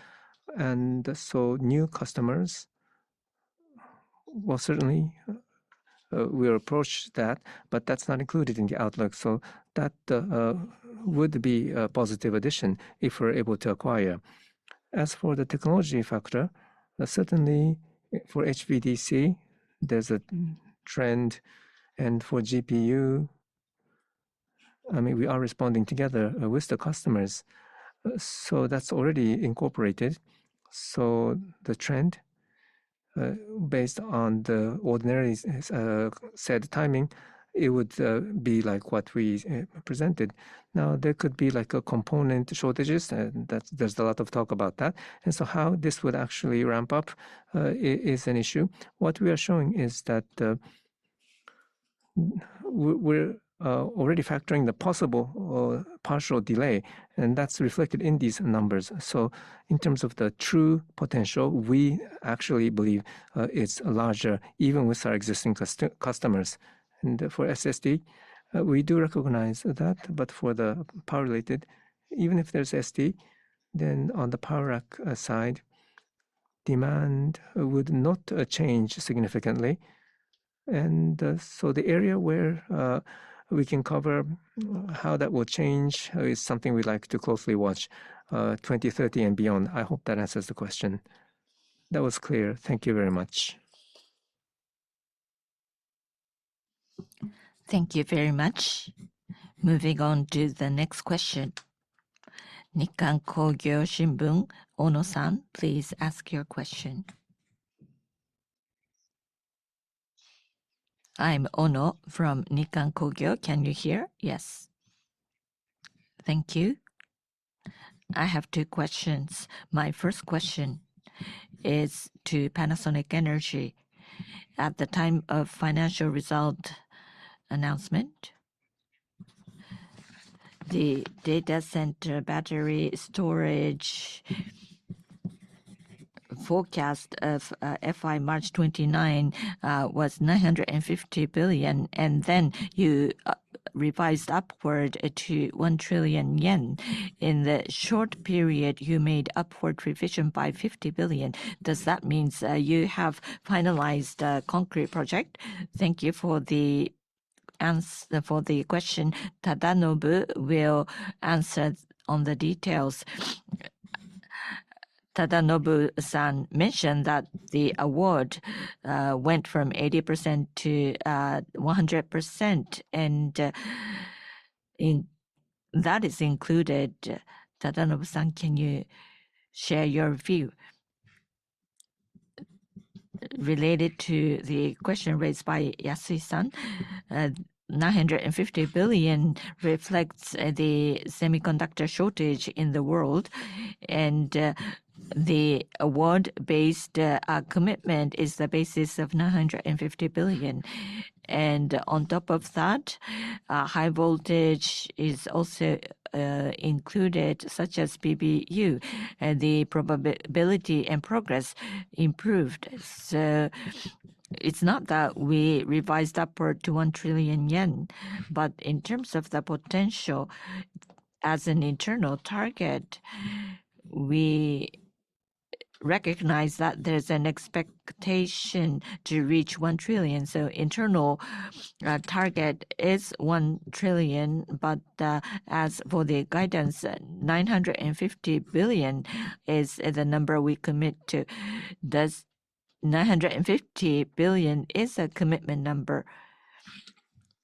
New customers, well, certainly, we'll approach that's not included in the outlook. That would be a positive addition if we're able to acquire. As for the technology factor, certainly for HVDC, there's a trend, and for GPU, we are responding together with the customers. That's already incorporated. The trend, based on the ordinary set timing, it would be like what we presented. There could be component shortages, and there's a lot of talk about that. How this would actually ramp up is an issue. What we are showing is that we're already factoring the possible partial delay, and that's reflected in these numbers. In terms of the true potential, we actually believe it's larger even with our existing customers. For SSD, we do recognize that. For the power-related, even if there's SSD, then on the power rack side, demand would not change significantly. The area where we can cover how that will change is something we'd like to closely watch 2030 and beyond. I hope that answers the question. That was clear. Thank you very much. Thank you very much. Moving on to the next question. Nikkan Kogyo Shimbun, Ono-san, please ask your question. I'm Ono from Nikkan Kogyo. Can you hear? Yes. Thank you. I have two questions. My first question is to Panasonic Energy. At the time of financial result announcement, the data center battery storage forecast of FY March 29 was 950 billion, then you revised upward to 1 trillion yen. In the short period, you made upward revision by 50 billion. Does that mean you have finalized a concrete project? Thank you for the question. Tadanobu will answer on the details. Tadanobu-san mentioned that the award went from 80% to 100%, and that is included. Tadanobu-san, can you share your view? Related to the question raised by Yasui-san, 950 billion reflects the semiconductor shortage in the world, and the award-based commitment is the basis of 950 billion. On top of that, high voltage is also included, such as PBU, and the probability and progress improved. It's not that we revised upward to 1 trillion yen, but in terms of the potential as an internal target, we recognize that there's an expectation to reach 1 trillion, so internal target is 1 trillion. As for the guidance, 950 billion is the number we commit to. 950 billion is a commitment number.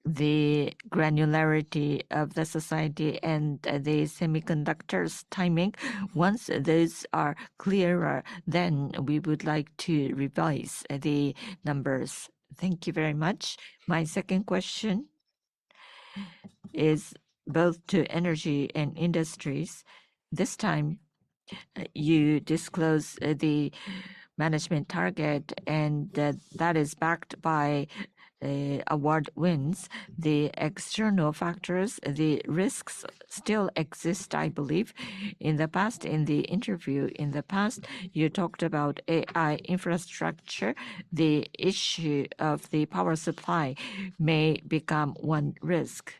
The granularity of the society and the semiconductors timing, once those are clearer, then we would like to revise the numbers. Thank you very much. My second question is both to Energy and Industries. This time, you disclose the management target, and that is backed by award wins. The external factors, the risks still exist, I believe. In the interview in the past, you talked about AI infrastructure. The issue of the power supply may become one risk.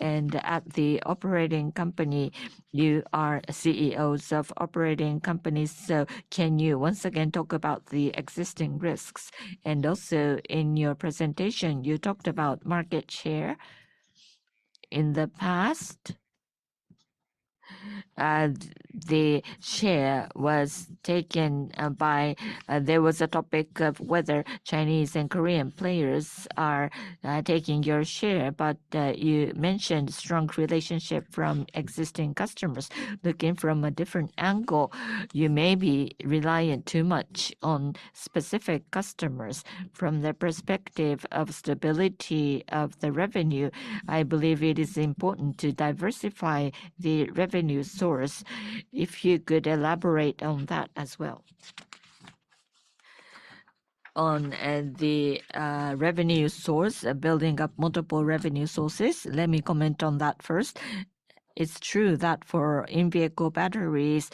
At the operating company, you are CEOs of operating companies, so can you once again talk about the existing risks? Also, in your presentation, you talked about market share. In the past, there was a topic of whether Chinese and Korean players are taking your share, but you mentioned strong relationship from existing customers. Looking from a different angle, you may be reliant too much on specific customers. From the perspective of stability of the revenue, I believe it is important to diversify the revenue source. If you could elaborate on that as well. On the revenue source, building up multiple revenue sources, let me comment on that first. It's true that for in-vehicle batteries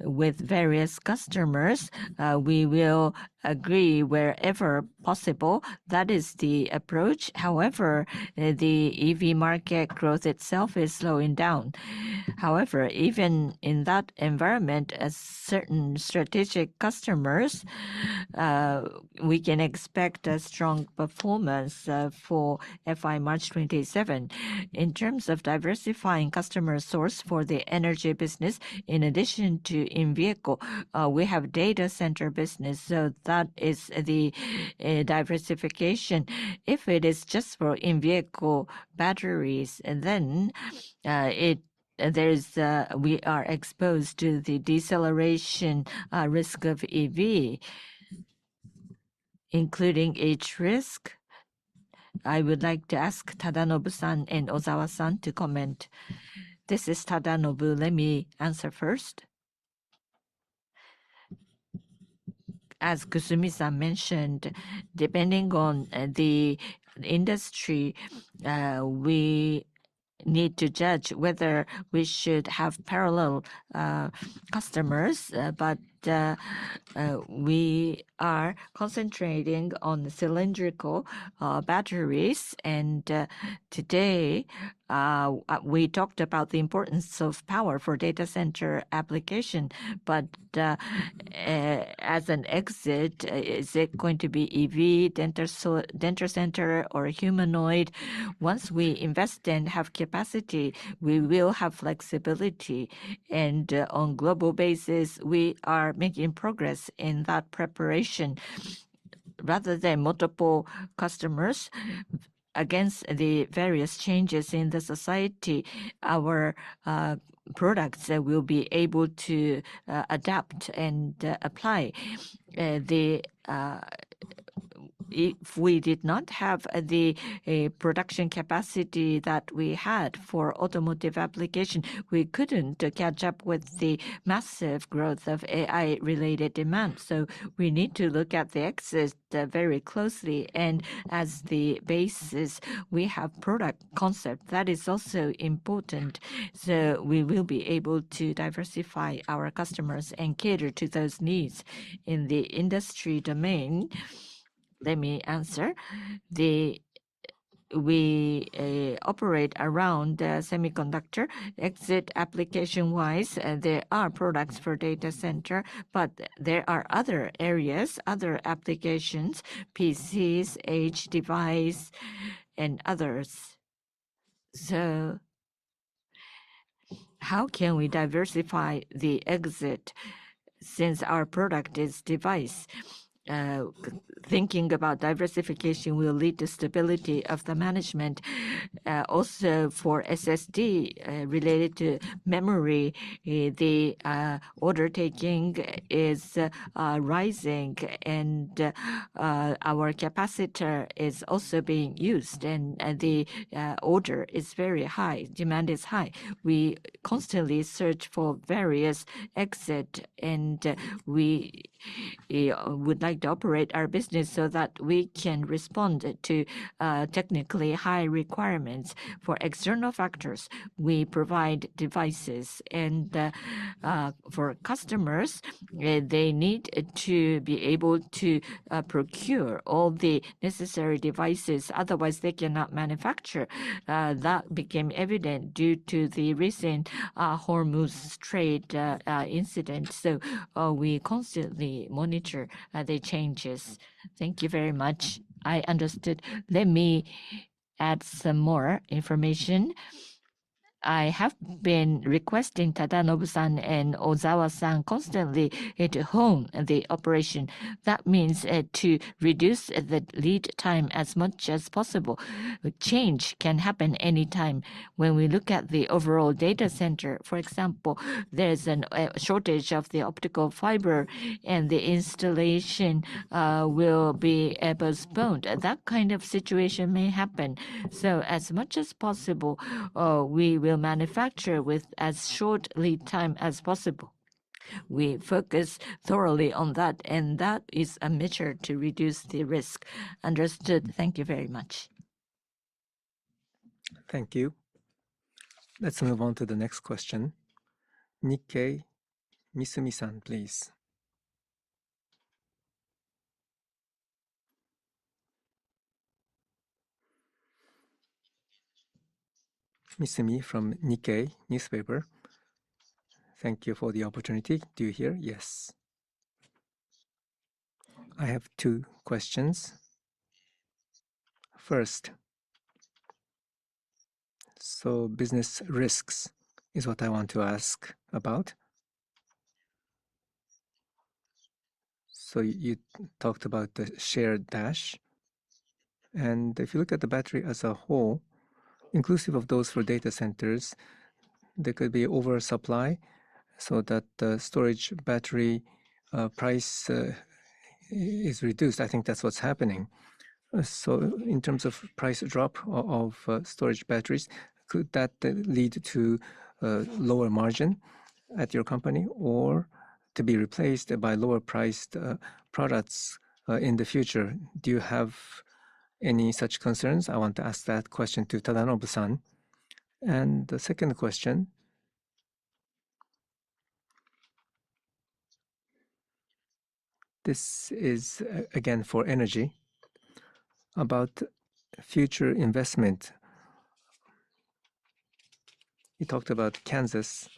with various customers, we will agree wherever possible. That is the approach. Even in that environment, the EV market growth itself is slowing down. However, even in that environment, as certain strategic customers, we can expect a strong performance for FY March 27. In terms of diversifying customer source for the Energy business, in addition to in-vehicle, we have data center business, so that is the diversification. If it is just for in-vehicle batteries, then we are exposed to the deceleration risk of EV. Including each risk, I would like to ask Tadanobu-san and Ozawa-san to comment. This is Tadanobu. Let me answer first. As Kusumi-san mentioned, depending on the industry, we need to judge whether we should have parallel customers. We are concentrating on the cylindrical batteries, and today, we talked about the importance of power for data center application. As an exit, is it going to be EV, data center, or humanoid? Once we invest and have capacity, we will have flexibility. On global basis, we are making progress in that preparation rather than multiple customers. Against the various changes in the society, our products will be able to adapt and apply. If we did not have the production capacity that we had for automotive application, we couldn't catch up with the massive growth of AI-related demand. We need to look at the exit very closely. As the basis, we have product concept. That is also important, so we will be able to diversify our customers and cater to those needs. In the industry domain, let me answer. We operate around semiconductors. Exit application-wise, there are products for data center, but there are other areas, other applications, PCs, edge device, and others. How can we diversify the exit since our product is device? Thinking about diversification will lead to stability of the management. Also, for SSD, related to memory, the order taking is rising, and our capacitor is also being used and the order is very high. Demand is high. We constantly search for various exit, and we would like to operate our business so that we can respond to technically high requirements. For external factors, we provide devices, and for customers, they need to be able to procure all the necessary devices, otherwise they cannot manufacture. That became evident due to the recent Hormuz trade incident. We constantly monitor the changes. Thank you very much. I understood. Let me add some more information. I have been requesting Tadanobu-san and Ozawa-san constantly to hone the operation. That means to reduce the lead time as much as possible. Change can happen any time. When we look at the overall data center, for example, there's a shortage of the optical fiber and the installation will be postponed. That kind of situation may happen. As much as possible, we will manufacture with as short lead time as possible. We focus thoroughly on that, and that is a measure to reduce the risk. Understood. Thank you very much. Thank you. Let's move on to the next question. Nikkei. Misumi-san, please. Misumi from The Nikkei Newspaper. Thank you for the opportunity. Do you hear? Yes. I have two questions. First, business risks is what I want to ask about. You talked about the shared dash, and if you look at the battery as a whole, inclusive of those for data centers, there could be oversupply so that the storage battery price is reduced. I think that's what's happening. In terms of price drop of storage batteries, could that lead to lower margin at your company or to be replaced by lower priced products in the future? Do you have any such concerns? I want to ask that question to Tadanobu-san. The second question, this is again for Energy, about future investment. You talked about Kansas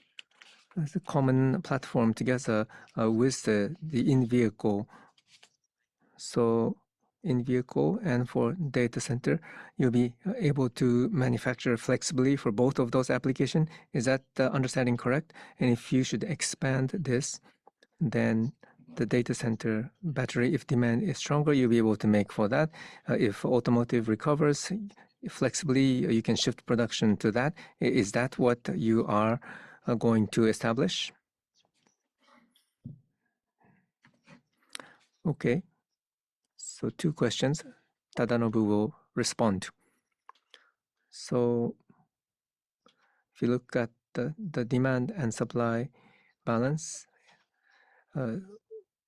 as a common platform together with the in-vehicle. In-vehicle and for data center, you'll be able to manufacture flexibly for both of those application. Is that understanding correct? If you should expand this, then the data center battery, if demand is stronger, you'll be able to make for that. If automotive recovers, flexibly, you can shift production to that. Is that what you are going to establish? Okay. Two questions. Tadanobu will respond. If you look at the demand and supply balance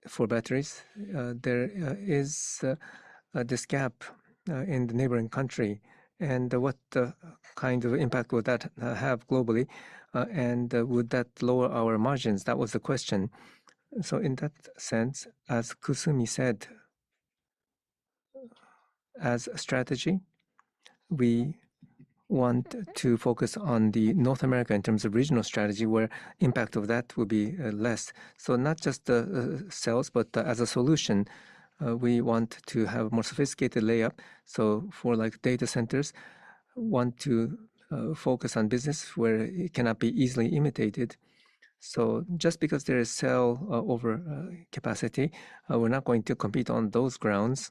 for batteries, there is this gap in the neighboring country. What kind of impact would that have globally, and would that lower our margins? That was the question. In that sense, as Kusumi said, as a strategy, we want to focus on the North America in terms of regional strategy, where impact of that will be less. Not just the sales, but as a solution, we want to have more sophisticated layer. For data centers, want to focus on business where it cannot be easily imitated. Just because there is cell over capacity, we're not going to compete on those grounds.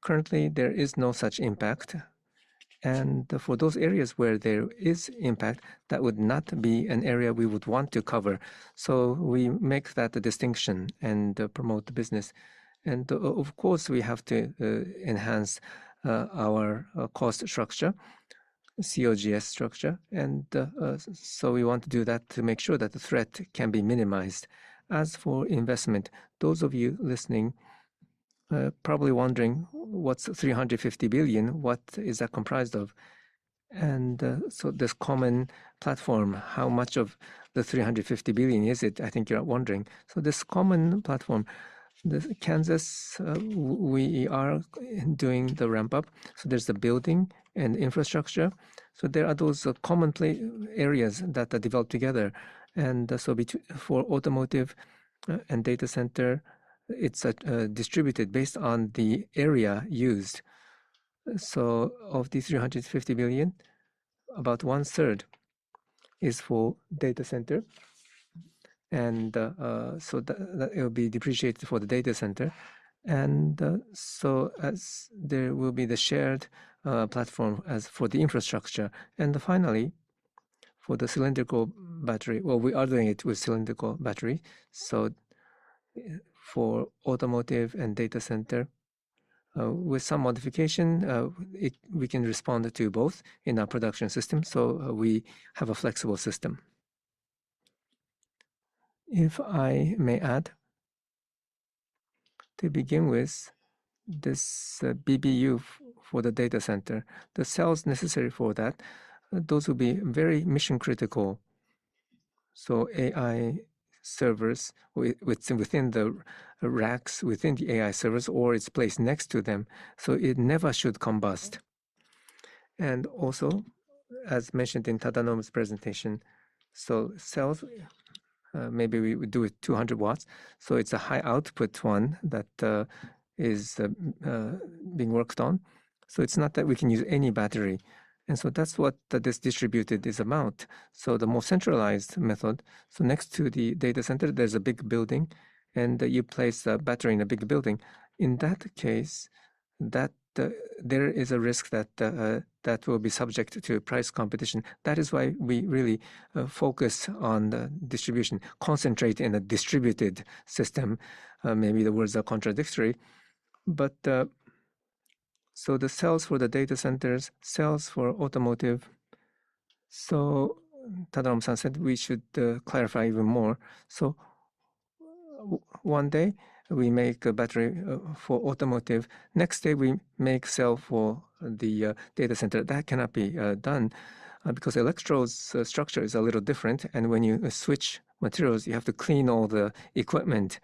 Currently, there is no such impact. For those areas where there is impact, that would not be an area we would want to cover. We make that distinction and promote the business. Of course, we have to enhance our cost structure, COGS structure, and so we want to do that to make sure that the threat can be minimized. As for investment, those of you listening are probably wondering what's 350 billion, what is that comprised of? This common platform, how much of the 350 billion is it? I think you're wondering. This common platform, Kansas, we are doing the ramp-up. There's the building and infrastructure. There are those common areas that are developed together. For automotive and data center, it's distributed based on the area used. Of the 350 billion, about 1/3 is for data center, and so that it'll be depreciated for the data center. There will be the shared platform as for the infrastructure. Finally, for the cylindrical battery, well, we are doing it with cylindrical battery. For automotive and data center, with some modification, we can respond to both in our production system. We have a flexible system. If I may add, to begin with, this BBU for the data center, the cells necessary for that, those will be very mission-critical. AI servers within the racks within the AI servers, or it's placed next to them, so it never should combust. Also, as mentioned in Tadanobu's presentation, so cells, maybe we do it 200 W. It's a high-output one that is being worked on. It's not that we can use any battery. That's what this distributed, this amount. The more centralized method, so next to the data center, there's a big building, and you place a battery in a big building. In that case, there is a risk that that will be subject to price competition. That is why we really focus on the distribution, concentrate in a distributed system. Maybe the words are contradictory. The cells for the data centers, cells for automotive. Tadanobu-san said we should clarify even more. One day, we make a battery for automotive. Next day, we make cell for the data center. That cannot be done because the electrodes structure is a little different, and when you switch materials, you have to clean all the equipment.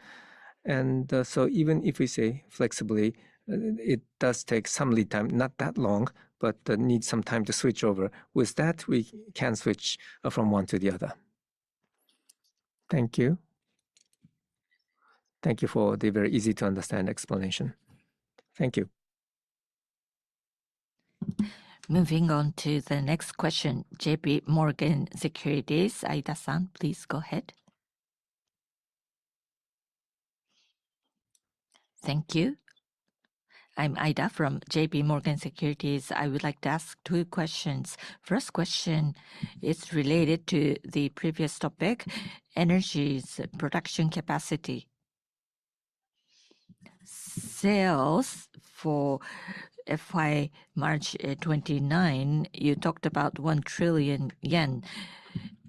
Even if we say flexibly, it does take some lead time, not that long, but needs some time to switch over. With that, we can switch from one to the other. Thank you. Thank you for the very easy to understand explanation. Thank you. Moving on to the next question. JPMorgan Securities, Ayada-san, please go ahead. Thank you. I'm Ayada from JPMorgan Securities. I would like to ask two questions. First question is related to the previous topic, Panasonic Energy's production capacity. Sales for FY March 2029, you talked about 1 trillion yen.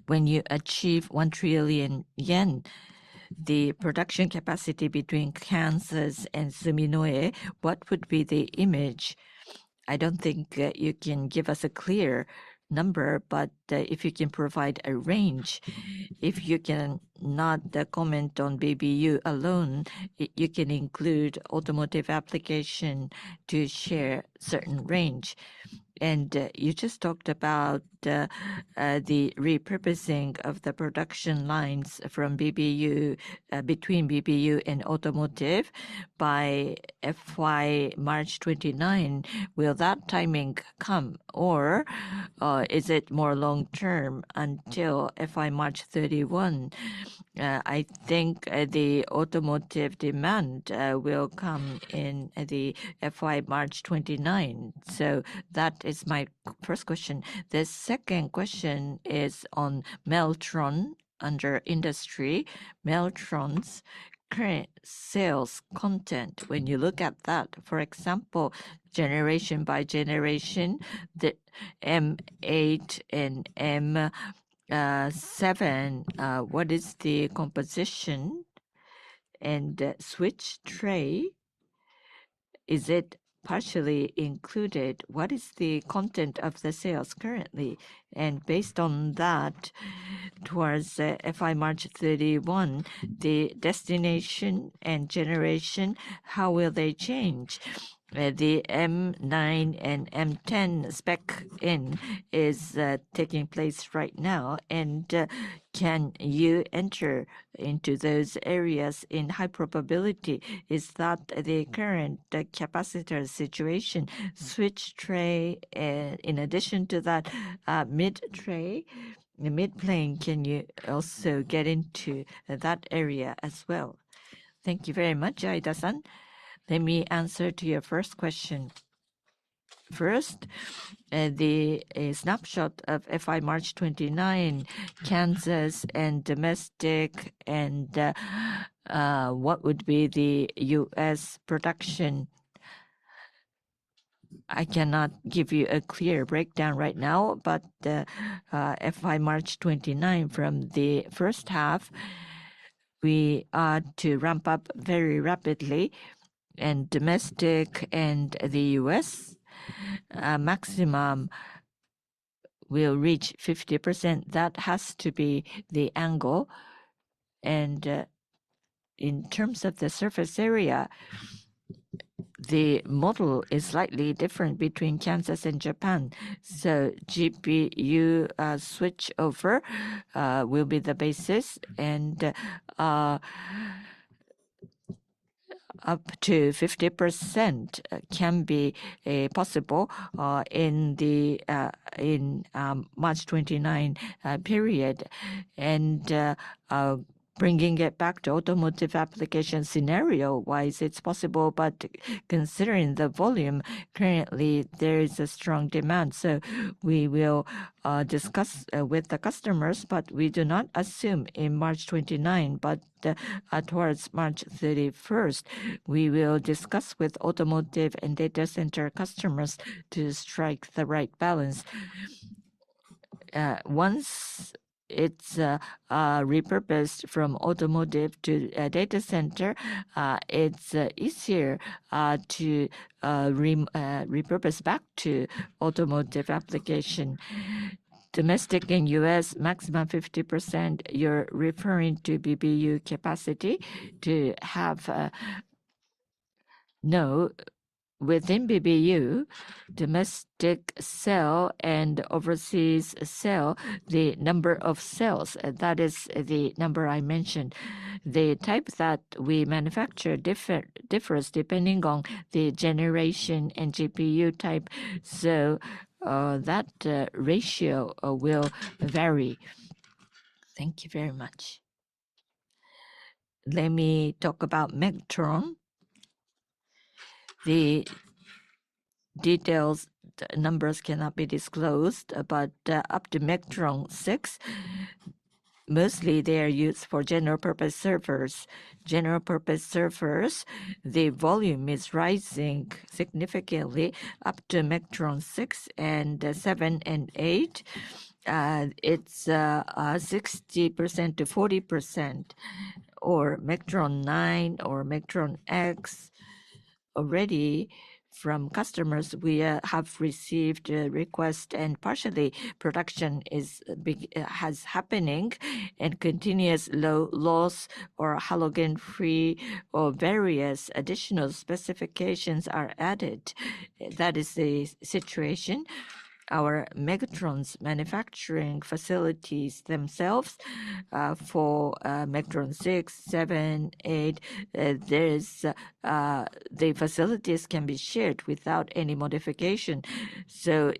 When you achieve 1 trillion yen, the production capacity between Kansas and Suminoe, what would be the image? I don't think you can give us a clear number, but if you can provide a range. If you cannot comment on BBU alone, you can include automotive application to share certain range. You just talked about the repurposing of the production lines between BBU and automotive by FY March 2029. Will that timing come, or is it more long-term until FY March 2031? I think the automotive demand will come in the FY March 2029. That is my first question. The second question is on MEGTRON under Industry. MEGTRON's current sales content. When you look at that, for example, generation by generation, the M8 and M7, what is the composition and switch tray? Is it partially included? What is the content of the sales currently? Based on that, towards FY March 2031, the destination and generation, how will they change? The M9 and M10 spec in is taking place right now, and can you enter into those areas in high probability? Is that the current capacitor situation, switch tray, in addition to that, mid-tray, the midplane, can you also get into that area as well? Thank you very much. Ayada-san, let me answer to your first question. First, the snapshot of FY March 2029, Kansas and domestic, and what would be the U.S. production. I cannot give you a clear breakdown right now. FY March 2029, from the first half, we are to ramp up very rapidly in domestic and the U.S. Maximum will reach 50%. That has to be the angle. In terms of the surface area, the model is slightly different between Kansas and Japan. GPU switchover will be the basis, and up to 50% can be possible in March 2029 period. Bringing it back to automotive application scenario-wise, it's possible, but considering the volume, currently, there is a strong demand. We will discuss with the customers, but we do not assume in March 2029, but towards March 2031, we will discuss with automotive and data center customers to strike the right balance. Once it's repurposed from automotive to a data center, it's easier to repurpose back to automotive application. Domestic and U.S. maximum 50%, you're referring to BBU capacity to have. No. Within BBU, domestic cell and overseas cell, the number of cells, that is the number I mentioned. The type that we manufacture differs depending on the generation and GPU type, so that ratio will vary. Thank you very much. Let me talk about MEGTRON. The details, the numbers cannot be disclosed, but up to MEGTRON 6, mostly they are used for general purpose servers. General purpose servers, the volume is rising significantly up to MEGTRON 6 and 7 and 8. It's 60%-40%, or MEGTRON 9 or MEGTRON X. Already from customers, we have received a request and partially production has happening and continuous low loss or halogen-free or various additional specifications are added. That is the situation. Our MEGTRON manufacturing facilities themselves, for MEGTRON 6, 7, 8, the facilities can be shared without any modification.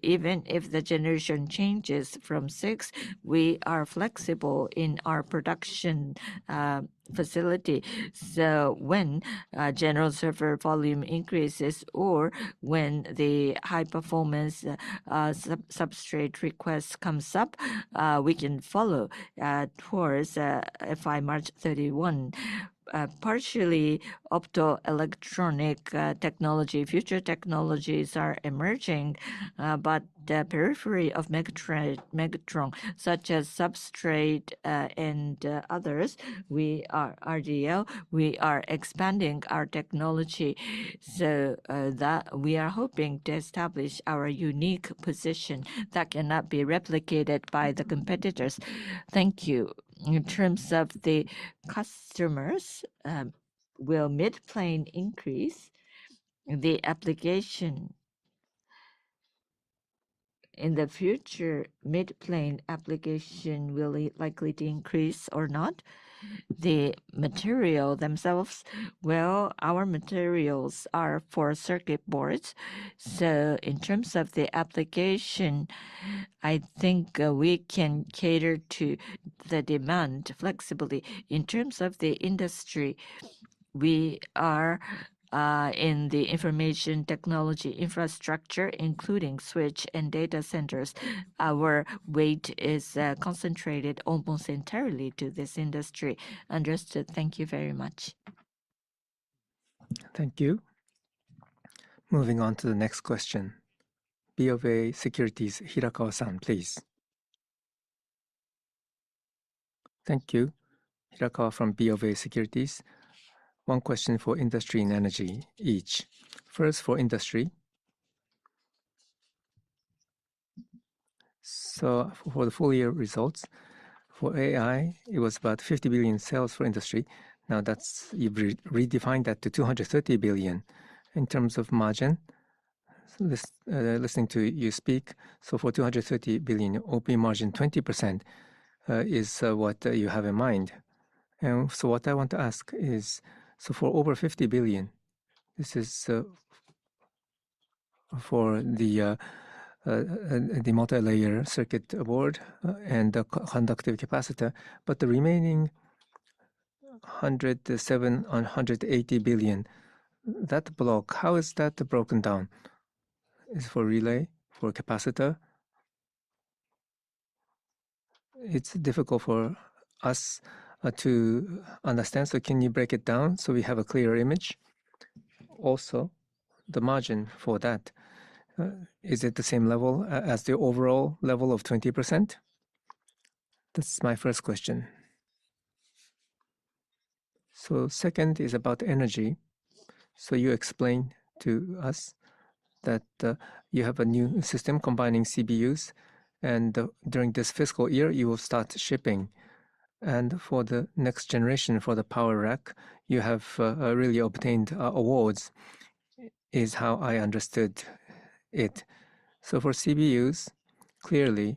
Even if the generation changes from six, we are flexible in our production facility. When general server volume increases or when the high-performance substrate request comes up, we can follow towards FY March 2031. Partially optoelectronic technology, future technologies are emerging, but the periphery of MEGTRON, such as substrate and others, RDL, we are expanding our technology so that we are hoping to establish our unique position that cannot be replicated by the competitors. Thank you. In terms of the customers, will midplane increase the application? In the future, midplane application will likely to increase or not? The material themselves, well, our materials are for circuit boards, so in terms of the application, I think we can cater to the demand flexibly. In terms of the industry, we are in the information technology infrastructure, including switch and data centers. Our weight is concentrated almost entirely to this industry. Understood. Thank you very much. Thank you. Moving on to the next question. BofA Securities, Hirakawa-san, please. Thank you. Hirakawa from BofA Securities. One question for industry and energy each. First, for industry. For the full year results, for AI, it was about 50 billion sales for industry. Now, you've redefined that to 230 billion. In terms of margin, listening to you speak, for 230 billion, OP margin 20% is what you have in mind. What I want to ask is, for over 50 billion, this is for the multilayer circuit board and the conductive capacitor, but the remaining 107 billion, 180 billion, that block, how is that broken down? Is for relay, for capacitor? It's difficult for us to understand, so can you break it down so we have a clearer image? Also, the margin for that, is it the same level as the overall level of 20%? This is my first question. Second is about energy. You explained to us that you have a new system combining CBUs, and during this fiscal year, you will start shipping. For the next generation, for the power rack, you have really obtained awards, is how I understood it. For CBUs, clearly,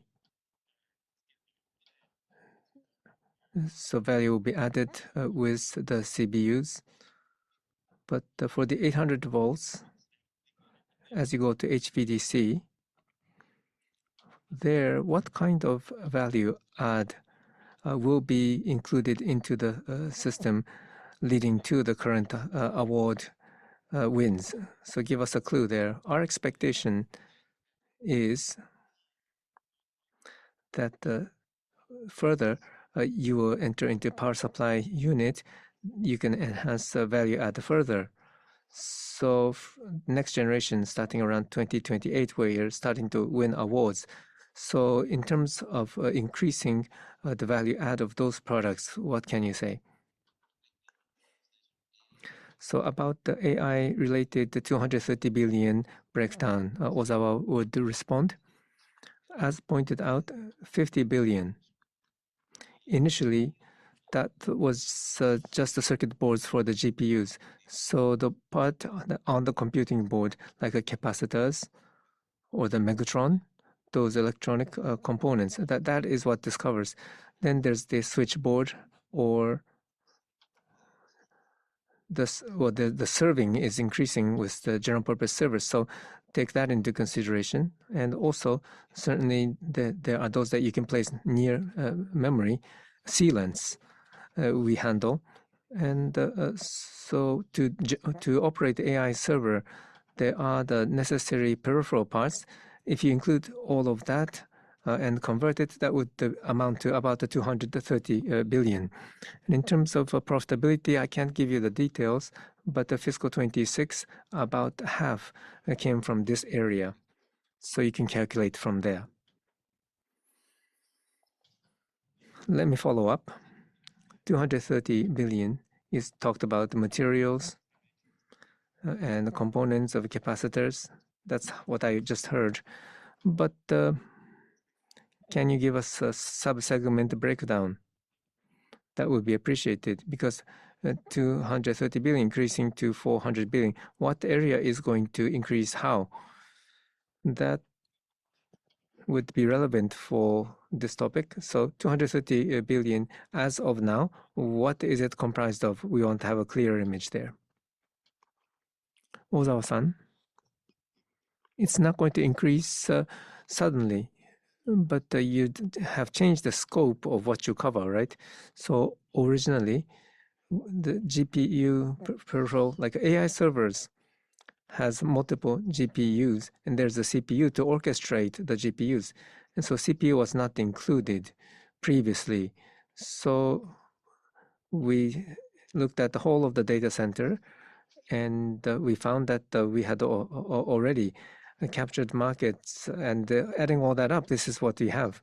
value will be added with the CBUs. For the 800 V, as you go to HVDC, there, what kind of value add will be included into the system leading to the current award wins? Give us a clue there. Our expectation is that further, you will enter into power supply unit, you can enhance the value add further. Next generation, starting around 2028, where you are starting to win awards. In terms of increasing the value add of those products, what can you say? About the AI related, the 230 billion breakdown, Ozawa would respond. As pointed out, 50 billion, initially, that was just the circuit boards for the GPUs. The part on the computing board, like the capacitors or the MEGTRON, those electronic components, that is what this covers. There is the switchboard or the serving is increasing with the general purpose servers. Take that into consideration. Certainly, there are those that you can place near memory, CLNs, we handle. To operate AI server, there are the necessary peripheral parts. If you include all of that and convert it, that would amount to about 230 billion. In terms of profitability, I cannot give you the details, but the FY 2026, about half came from this area. You can calculate from there. Let me follow up. 230 billion is talked about materials and components of capacitors. That is what I just heard. Can you give us a sub-segment breakdown? That would be appreciated, because 230 billion increasing to 400 billion, what area is going to increase how? That would be relevant for this topic. 230 billion as of now, what is it comprised of? We want to have a clearer image there. Ozawa-san. It is not going to increase suddenly, you have changed the scope of what you cover, right? Originally, the GPU peripheral, like AI servers, has multiple GPUs, and there is a CPU to orchestrate the GPUs. CPU was not included previously. We looked at the whole of the data center, and we found that we had already captured markets. Adding all that up, this is what we have.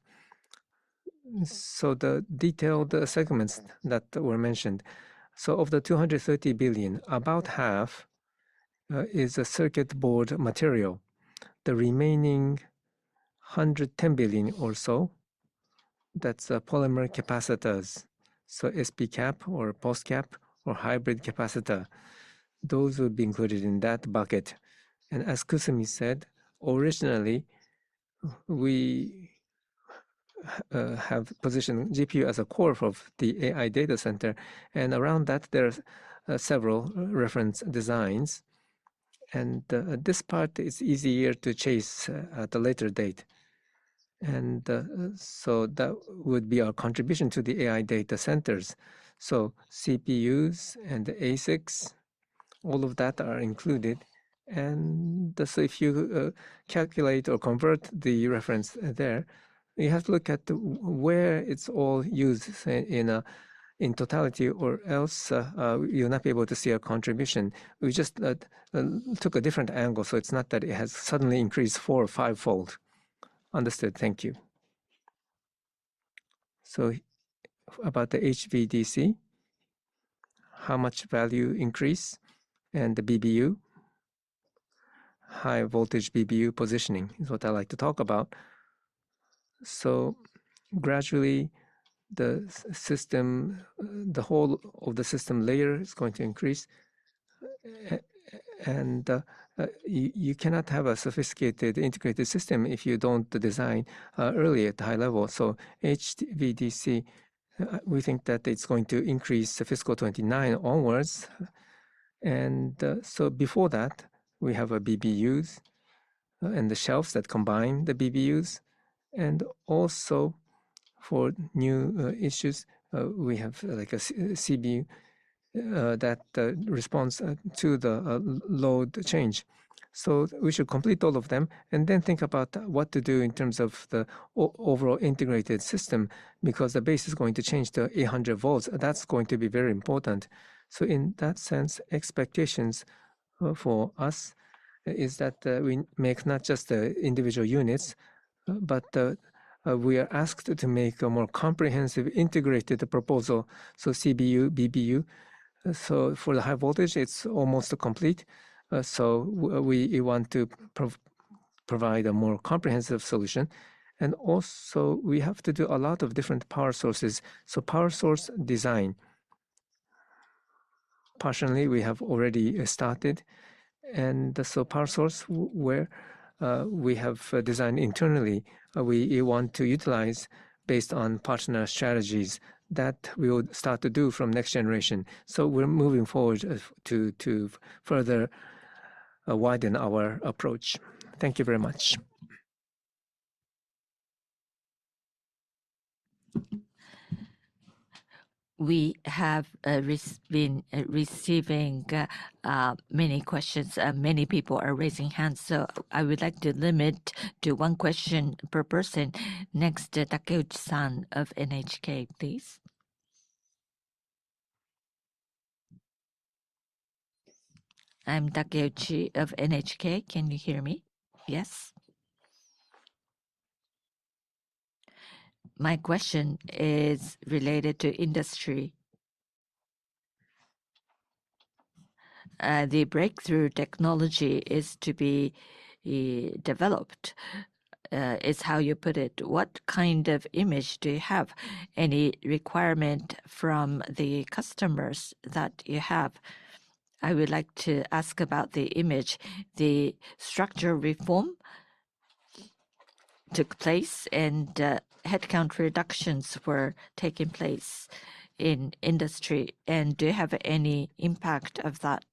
The detailed segments that were mentioned. Of the 230 billion, about half is circuit board material. The remaining 110 billion or so, that is polymer capacitors. SP-Cap or POSCAP or hybrid capacitor. Those would be included in that bucket. As Kusumi said, originally, we have positioned GPU as a core of the AI data center. Around that, there are several reference designs. This part is easier to chase at a later date. That would be our contribution to the AI data centers. CPUs and ASICs, all of that are included. If you calculate or convert the reference there, you have to look at where it is all used in totality, or else you will not be able to see a contribution. We just took a different angle, it is not that it has suddenly increased four or fivefold. Understood. Thank you. About the HVDC, how much value increase, and the BBU, high voltage BBU positioning is what I'd like to talk about. Gradually, the whole of the system layer is going to increase. You cannot have a sophisticated integrated system if you don't design early at the high level. HVDC, we think that it's going to increase FY March 29 onwards. Before that, we have BBUs and the shelves that combine the BBUs, and also for new issues, we have a CBU that responds to the load change. We should complete all of them and then think about what to do in terms of the overall integrated system, because the base is going to change to 800 V. That's going to be very important. In that sense, expectations for us is that we make not just the individual units, but we are asked to make a more comprehensive, integrated proposal. CBU, BBU. For the high voltage, it's almost complete. We want to provide a more comprehensive solution. Also we have to do a lot of different power sources. Power source design. Partially, we have already started. Power source, where we have designed internally, we want to utilize based on partner strategies. That we will start to do from next generation. We're moving forward to further widen our approach. Thank you very much. We have been receiving many questions. Many people are raising hands, I would like to limit to one question per person. Next, Takeuchi-san of NHK, please. I'm Takeuchi of NHK. Can you hear me? Yes. My question is related to Panasonic Industry. The breakthrough technology is to be developed, is how you put it. What kind of image do you have? Any requirement from the customers that you have? I would like to ask about the image. The structure reform took place and headcount reductions were taking place in Panasonic Industry, do you have any impact of that?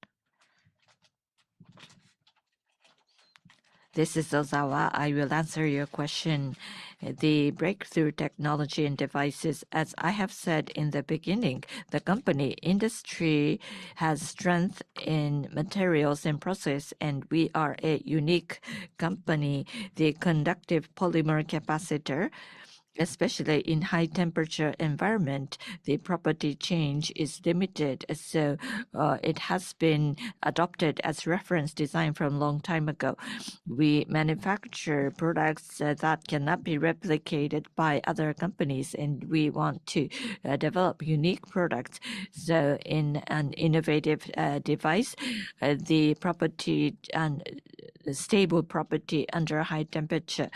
This is Ozawa. I will answer your question. The breakthrough technology and devices, as I have said in the beginning, the company Industry has strength in materials and process, and we are a unique company. The conductive polymer capacitors, especially in high-temperature environment, the property change is limited. It has been adopted as reference design from long time ago. We manufacture products that cannot be replicated by other companies, and we want to develop unique products. In an innovative device, the stable property under high temperature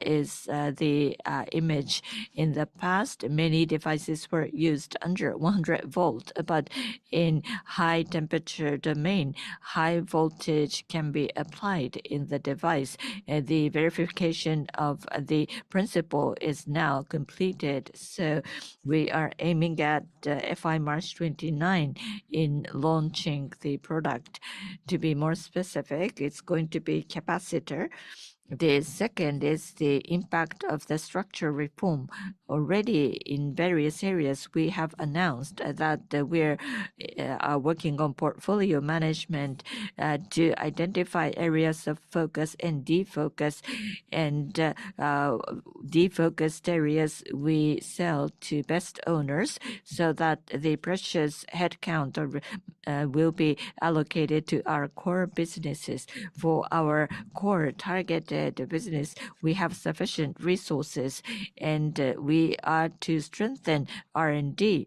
is the image. In the past, many devices were used under 100 V, but in high-temperature domain, high voltage can be applied in the device. The verification of the principle is now completed, we are aiming at FY March 29 in launching the product. To be more specific, it's going to be capacitors. The second is the impact of the structure reform. Already in various areas, we have announced that we are working on portfolio management to identify areas of focus and defocus, defocused areas we sell to best owners so that the precious headcount will be allocated to our core businesses. For our core targeted business, we have sufficient resources. We are to strengthen R&D.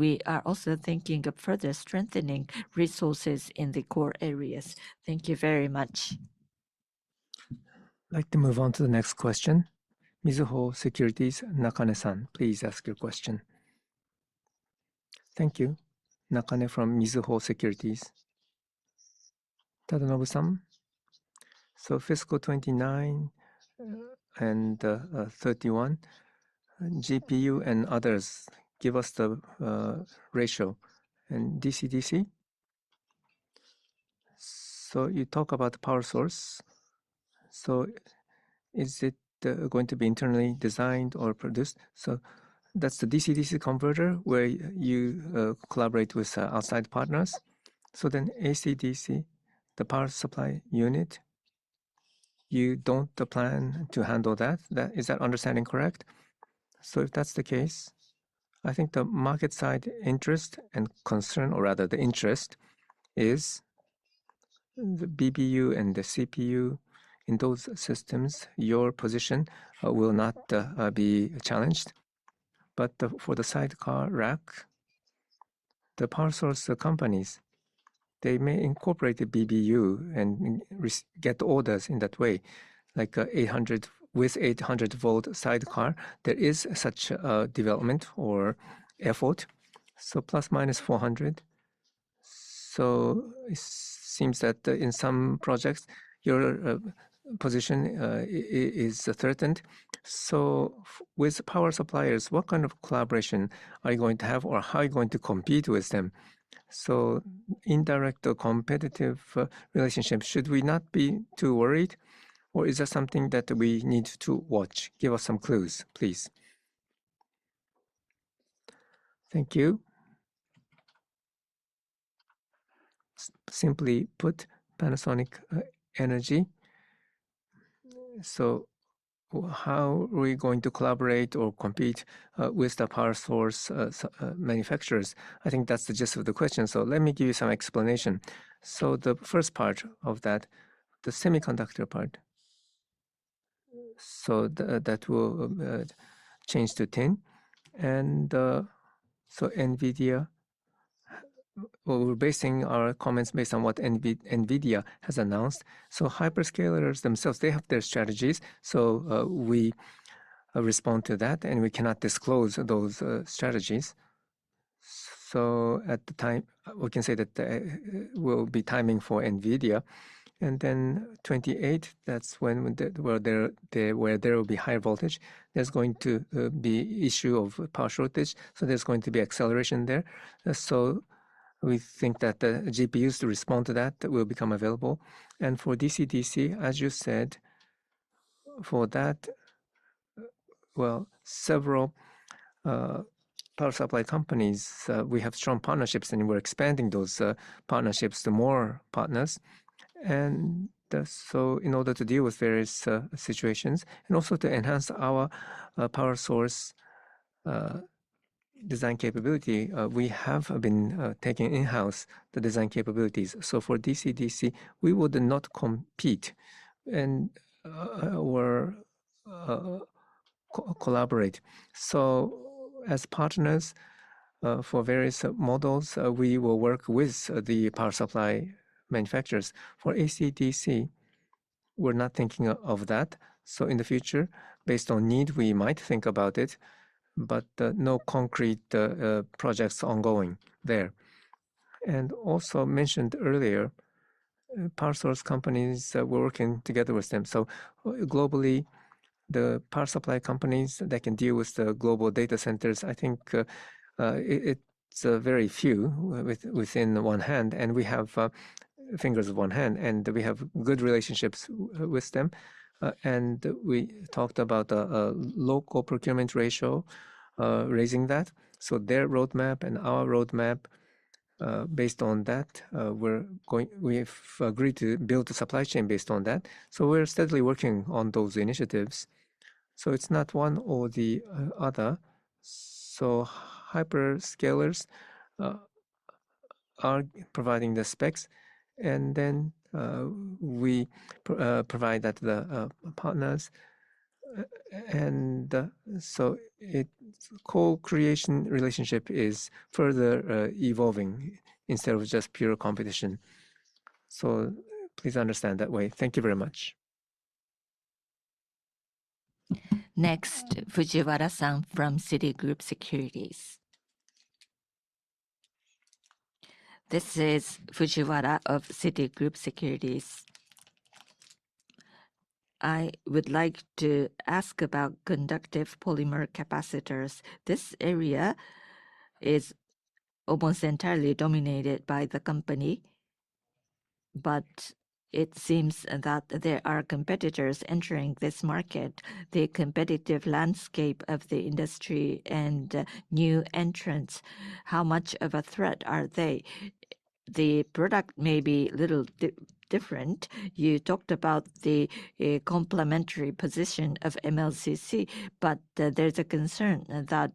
We are also thinking of further strengthening resources in the core areas. Thank you very much. I'd like to move on to the next question. Mizuho Securities, Nakane-san, please ask your question. Thank you. Nakane from Mizuho Securities. Tadanobu-san, fiscal 2029 and 2031, GPU and others, give us the ratio. DC/DC. You talk about power source. Is it going to be internally designed or produced? That's the DC/DC converter where you collaborate with outside partners. AC/DC, the power supply unit, you don't plan to handle that. Is that understanding correct? If that's the case, I think the market side interest and concern, or rather the interest, is the BBU and the CPU. In those systems, your position will not be challenged. But for the sidecar rack, the power source companies, they may incorporate a BBU and get orders in that way, like with 800 V sidecar, there is such a development or effort. ±400. It seems that in some projects, your position is threatened. With power suppliers, what kind of collaboration are you going to have, or how are you going to compete with them? Indirect or competitive relationship, should we not be too worried, or is that something that we need to watch? Give us some clues, please. Thank you. Simply put, Panasonic Energy. How are we going to collaborate or compete with the power source manufacturers? I think that's the gist of the question. Let me give you some explanation. The first part of that, the semiconductor part. That will change to 10. NVIDIA, we're basing our comments based on what NVIDIA has announced. Hyperscalers themselves, they have their strategies. We respond to that, and we cannot disclose those strategies. At the time, we can say that will be timing for NVIDIA. 2028, that's where there will be high voltage. There's going to be issue of power shortage. There's going to be acceleration there. We think that the GPUs to respond to that will become available. For DC/DC, as you said, for that, well, several power supply companies, we have strong partnerships, and we're expanding those partnerships to more partners. In order to deal with various situations and also to enhance our power source design capability, we have been taking in-house the design capabilities. For DC/DC, we would not compete or collaborate. As partners for various models, we will work with the power supply manufacturers. For AC/DC, we're not thinking of that. In the future, based on need, we might think about it, but no concrete projects ongoing there. Also mentioned earlier, power source companies, we're working together with them. Globally, the power supply companies that can deal with the global data centers, I think it's very few within one hand, and we have fingers of one hand, and we have good relationships with them. We talked about local procurement ratio, raising that. Their roadmap and our roadmap, based on that, we've agreed to build a supply chain based on that. We're steadily working on those initiatives. It's not one or the other. Hyperscalers are providing the specs, and then we provide that to the partners. Co-creation relationship is further evolving instead of just pure competition. Please understand that way. Thank you very much. Next, Fujiwara-san from Citigroup Securities. This is Fujiwara of Citigroup Securities. I would like to ask about conductive polymer capacitors. This area is almost entirely dominated by the company, but it seems that there are competitors entering this market. The competitive landscape of the industry and new entrants, how much of a threat are they? The product may be little different. You talked about the complementary position of MLCC, but there's a concern that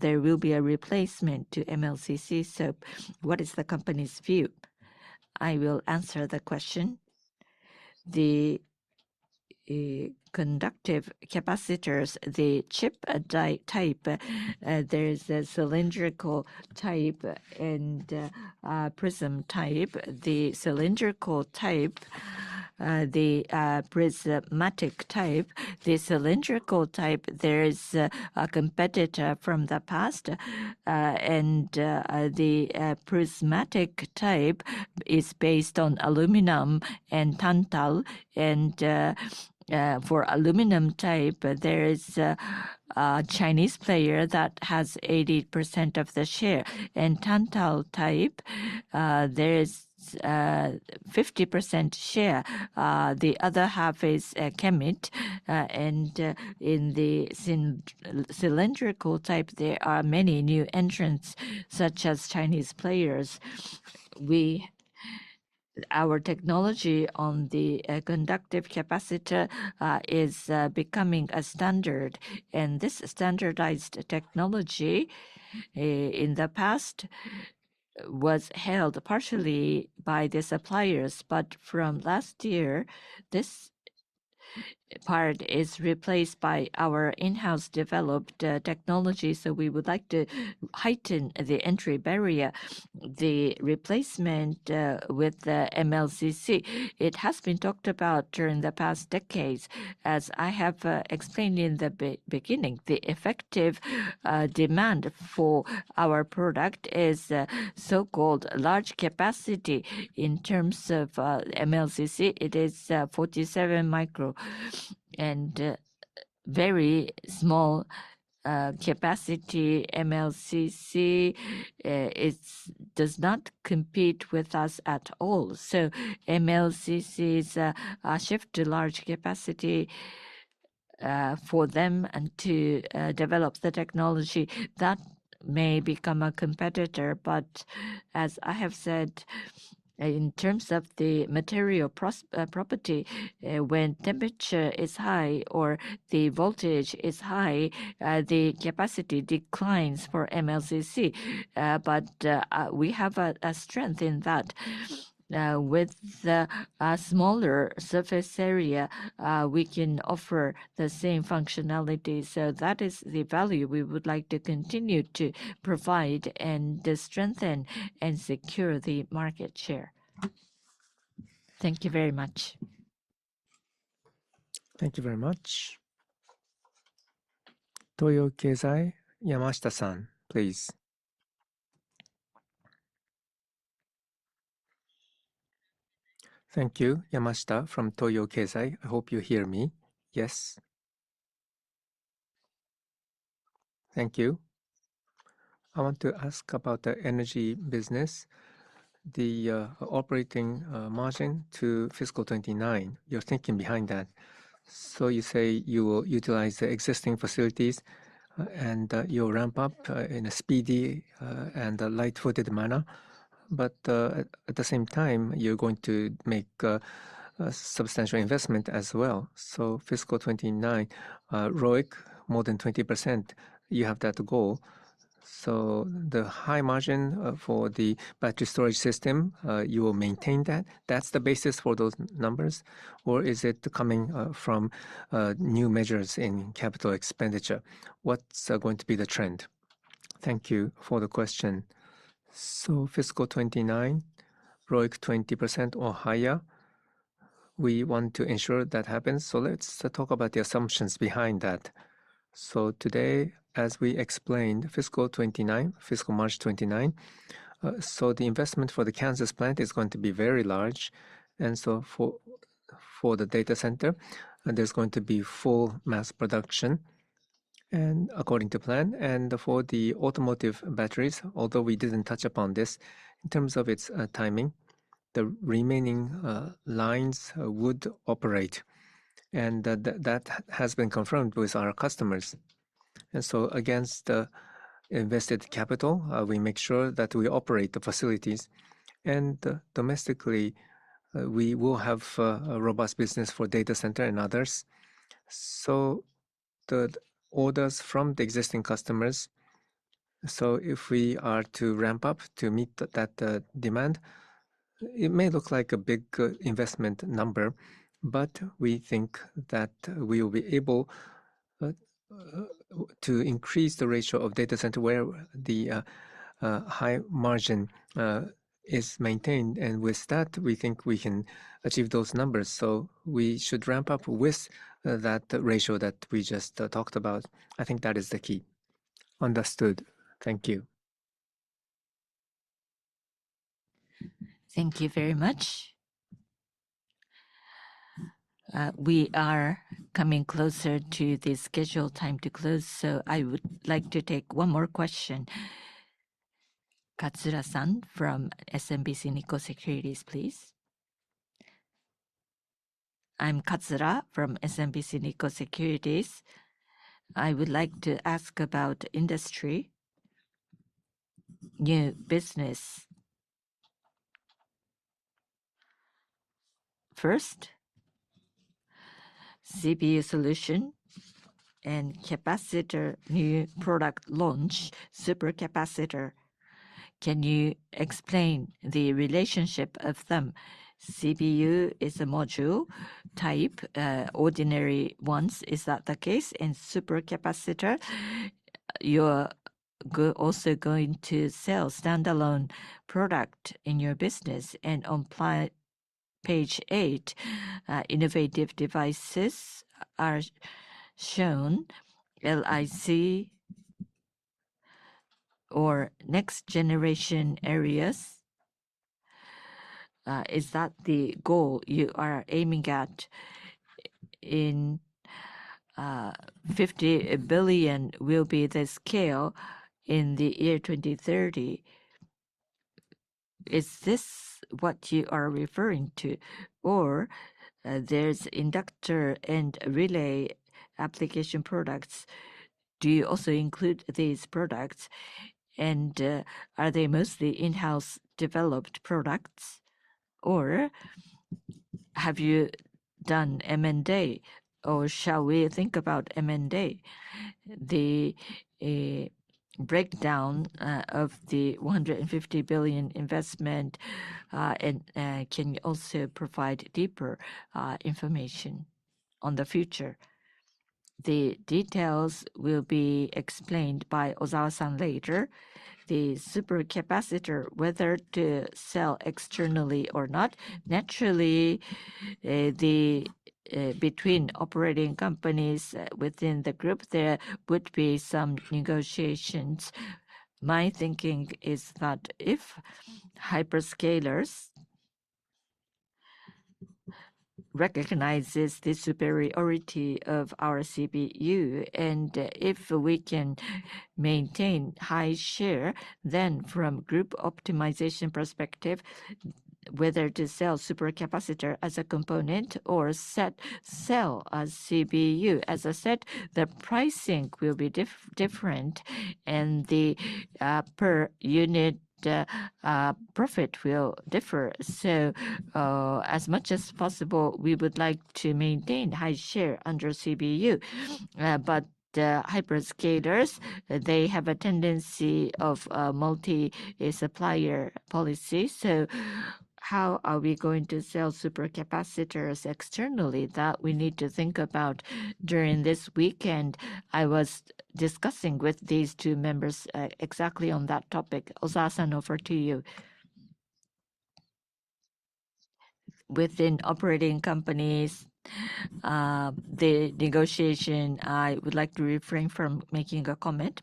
there will be a replacement to MLCC. What is the company's view? I will answer the question. The conductive capacitors, the chip type, there is a cylindrical type and prism type. The cylindrical type, the prismatic type. The cylindrical type, there is a competitor from the past, and the prismatic type is based on aluminum and tantalum, and for aluminum type, there is a Chinese player that has 80% of the share. In tantalum type, there is 50% share. The other half is KEMET, and in the cylindrical type, there are many new entrants, such as Chinese players. Our technology on the conductive capacitor is becoming a standard. This standardized technology, in the past, was held partially by the suppliers, but from last year, this part is replaced by our in-house developed technology, so we would like to heighten the entry barrier. The replacement with the MLCC, it has been talked about during the past decades. As I have explained in the beginning, the effective demand for our product is so-called large capacity. In terms of MLCC, it is 47 micro, and very small capacity MLCC does not compete with us at all. MLCC's shift to large capacity for them and to develop the technology, that may become a competitor, but as I have said, in terms of the material property, when temperature is high or the voltage is high, the capacity declines for MLCC. We have a strength in that. With a smaller surface area, we can offer the same functionality. That is the value we would like to continue to provide and strengthen and secure the market share. Thank you very much. Thank you very much. Toyo Keizai, Yamashita-san, please. Thank you. Yamashita from Toyo Keizai. I hope you hear me. Yes. Thank you. I want to ask about the energy business, the operating margin to fiscal March 29, your thinking behind that. You say you will utilize the existing facilities, you'll ramp up in a speedy and a light-footed manner. At the same time, you're going to make a substantial investment as well. Fiscal March 29, ROIC more than 20%, you have that goal. The high margin for the battery storage system, you will maintain that? That's the basis for those numbers, or is it coming from new measures in capital expenditure? What's going to be the trend? Thank you for the question. Fiscal March 29, ROIC 20% or higher, we want to ensure that happens. Let's talk about the assumptions behind that. Today, as we explained, fiscal March 29, the investment for the Kansas plant is going to be very large. For the data center, there's going to be full mass production according to plan. For the automotive batteries, although we didn't touch upon this in terms of its timing, the remaining lines would operate, that has been confirmed with our customers. Against the invested capital, we make sure that we operate the facilities. Domestically, we will have a robust business for data center and others. The orders from the existing customers, if we are to ramp up to meet that demand, it may look like a big investment number, but we think that we'll be able to increase the ratio of data center where the high margin is maintained. With that, we think we can achieve those numbers. We should ramp up with that ratio that we just talked about. I think that is the key. Understood. Thank you. Thank you very much. We are coming closer to the scheduled time to close, I would like to take one more question. Katsura-san from SMBC Nikko Securities, please. I'm Katsura from SMBC Nikko Securities. I would like to ask about industry. New business. First, CBU solution and capacitor new product launch, supercapacitor. Can you explain the relationship of them? CPU is a module type, ordinary ones, is that the case? In supercapacitor, you're also going to sell standalone product in your business, on page eight, innovative devices are shown, LIC or next generation areas. Is that the goal you are aiming at in 50 billion will be the scale in the year 2030. Is this what you are referring to? There's inductor and relay application products. Do you also include these products, and are they mostly in-house developed products, or have you done M&A, or shall we think about M&A? The breakdown of the 150 billion investment, can you also provide deeper information on the future? The details will be explained by Ozawa-san later. The supercapacitor, whether to sell externally or not. Naturally, between operating companies within the Group, there would be some negotiations. My thinking is that if hyperscalers recognize the superiority of our CBU, and if we can maintain high share, then from Group optimization perspective, whether to sell supercapacitor as a component or sell as CBU. As I said, the pricing will be different, and the per-unit profit will differ. As much as possible, we would like to maintain high share under CBU. Hyperscalers, they have a tendency of a multi-supplier policy. How are we going to sell supercapacitors externally? That we need to think about. During this weekend, I was discussing with these two members exactly on that topic. Ozawa-san, over to you. Within operating companies, the negotiation, I would like to refrain from making a comment.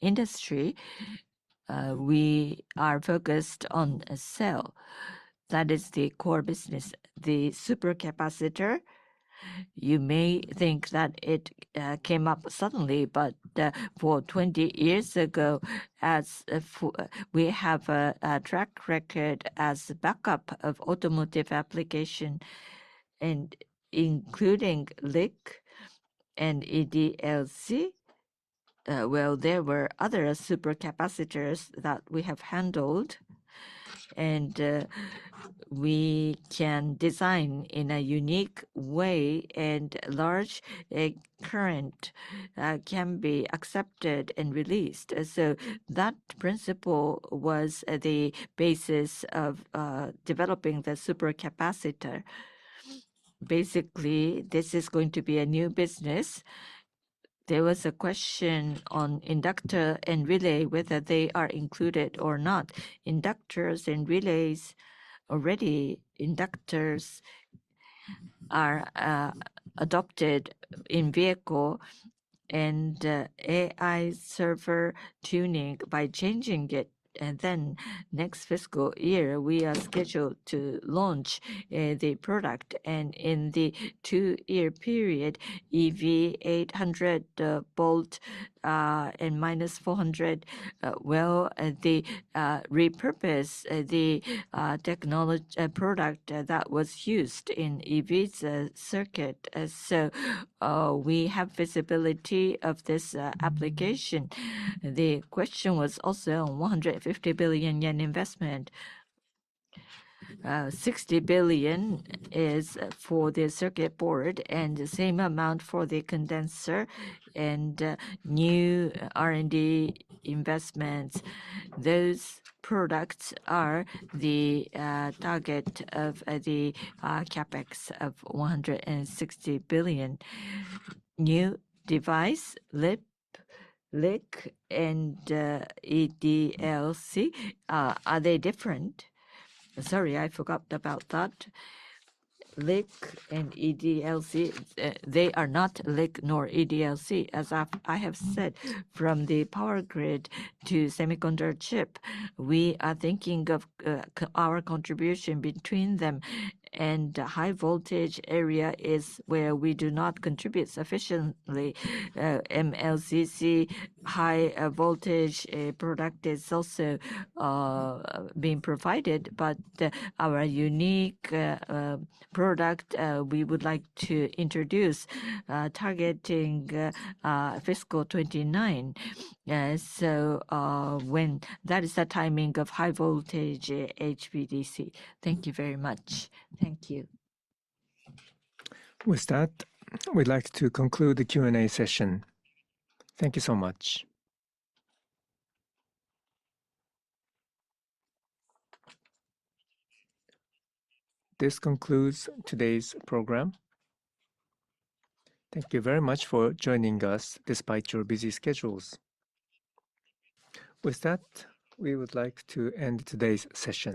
Industry, we are focused on sell. That is the core business. The supercapacitor, you may think that it came up suddenly, but 20 years ago, we have a track record as a backup of automotive application, including LIC and EDLC. There were other supercapacitors that we have handled, and we can design in a unique way and large current can be accepted and released. That principle was the basis of developing the supercapacitor. Basically, this is going to be a new business. There was a question on inductor and relay, whether they are included or not. Inductors and relays, already inductors are adopted in vehicle and AI server tuning by changing it. Next fiscal year, we are scheduled to launch the product. In the two-year period, EV 800 V and -400, they repurpose the product that was used in EV's circuit. We have visibility of this application. The question was also on 150 billion yen investment. 60 billion is for the circuit board and the same amount for the condenser and new R&D investments. Those products are the target of the CapEx of 160 billion. New device, LIC, and EDLC. Are they different? Sorry, I forgot about that. LIC and EDLC. They are not LIC nor EDLC. As I have said, from the power grid to semiconductor chip, we are thinking of our contribution between them, and high voltage area is where we do not contribute sufficiently. MLCC high voltage product is also being provided, our unique product we would like to introduce targeting fiscal March 29. When that is the timing of high voltage HVDC. Thank you very much. Thank you. With that, we'd like to conclude the Q&A session. Thank you so much. This concludes today's program. Thank you very much for joining us despite your busy schedules. With that, we would like to end today's session.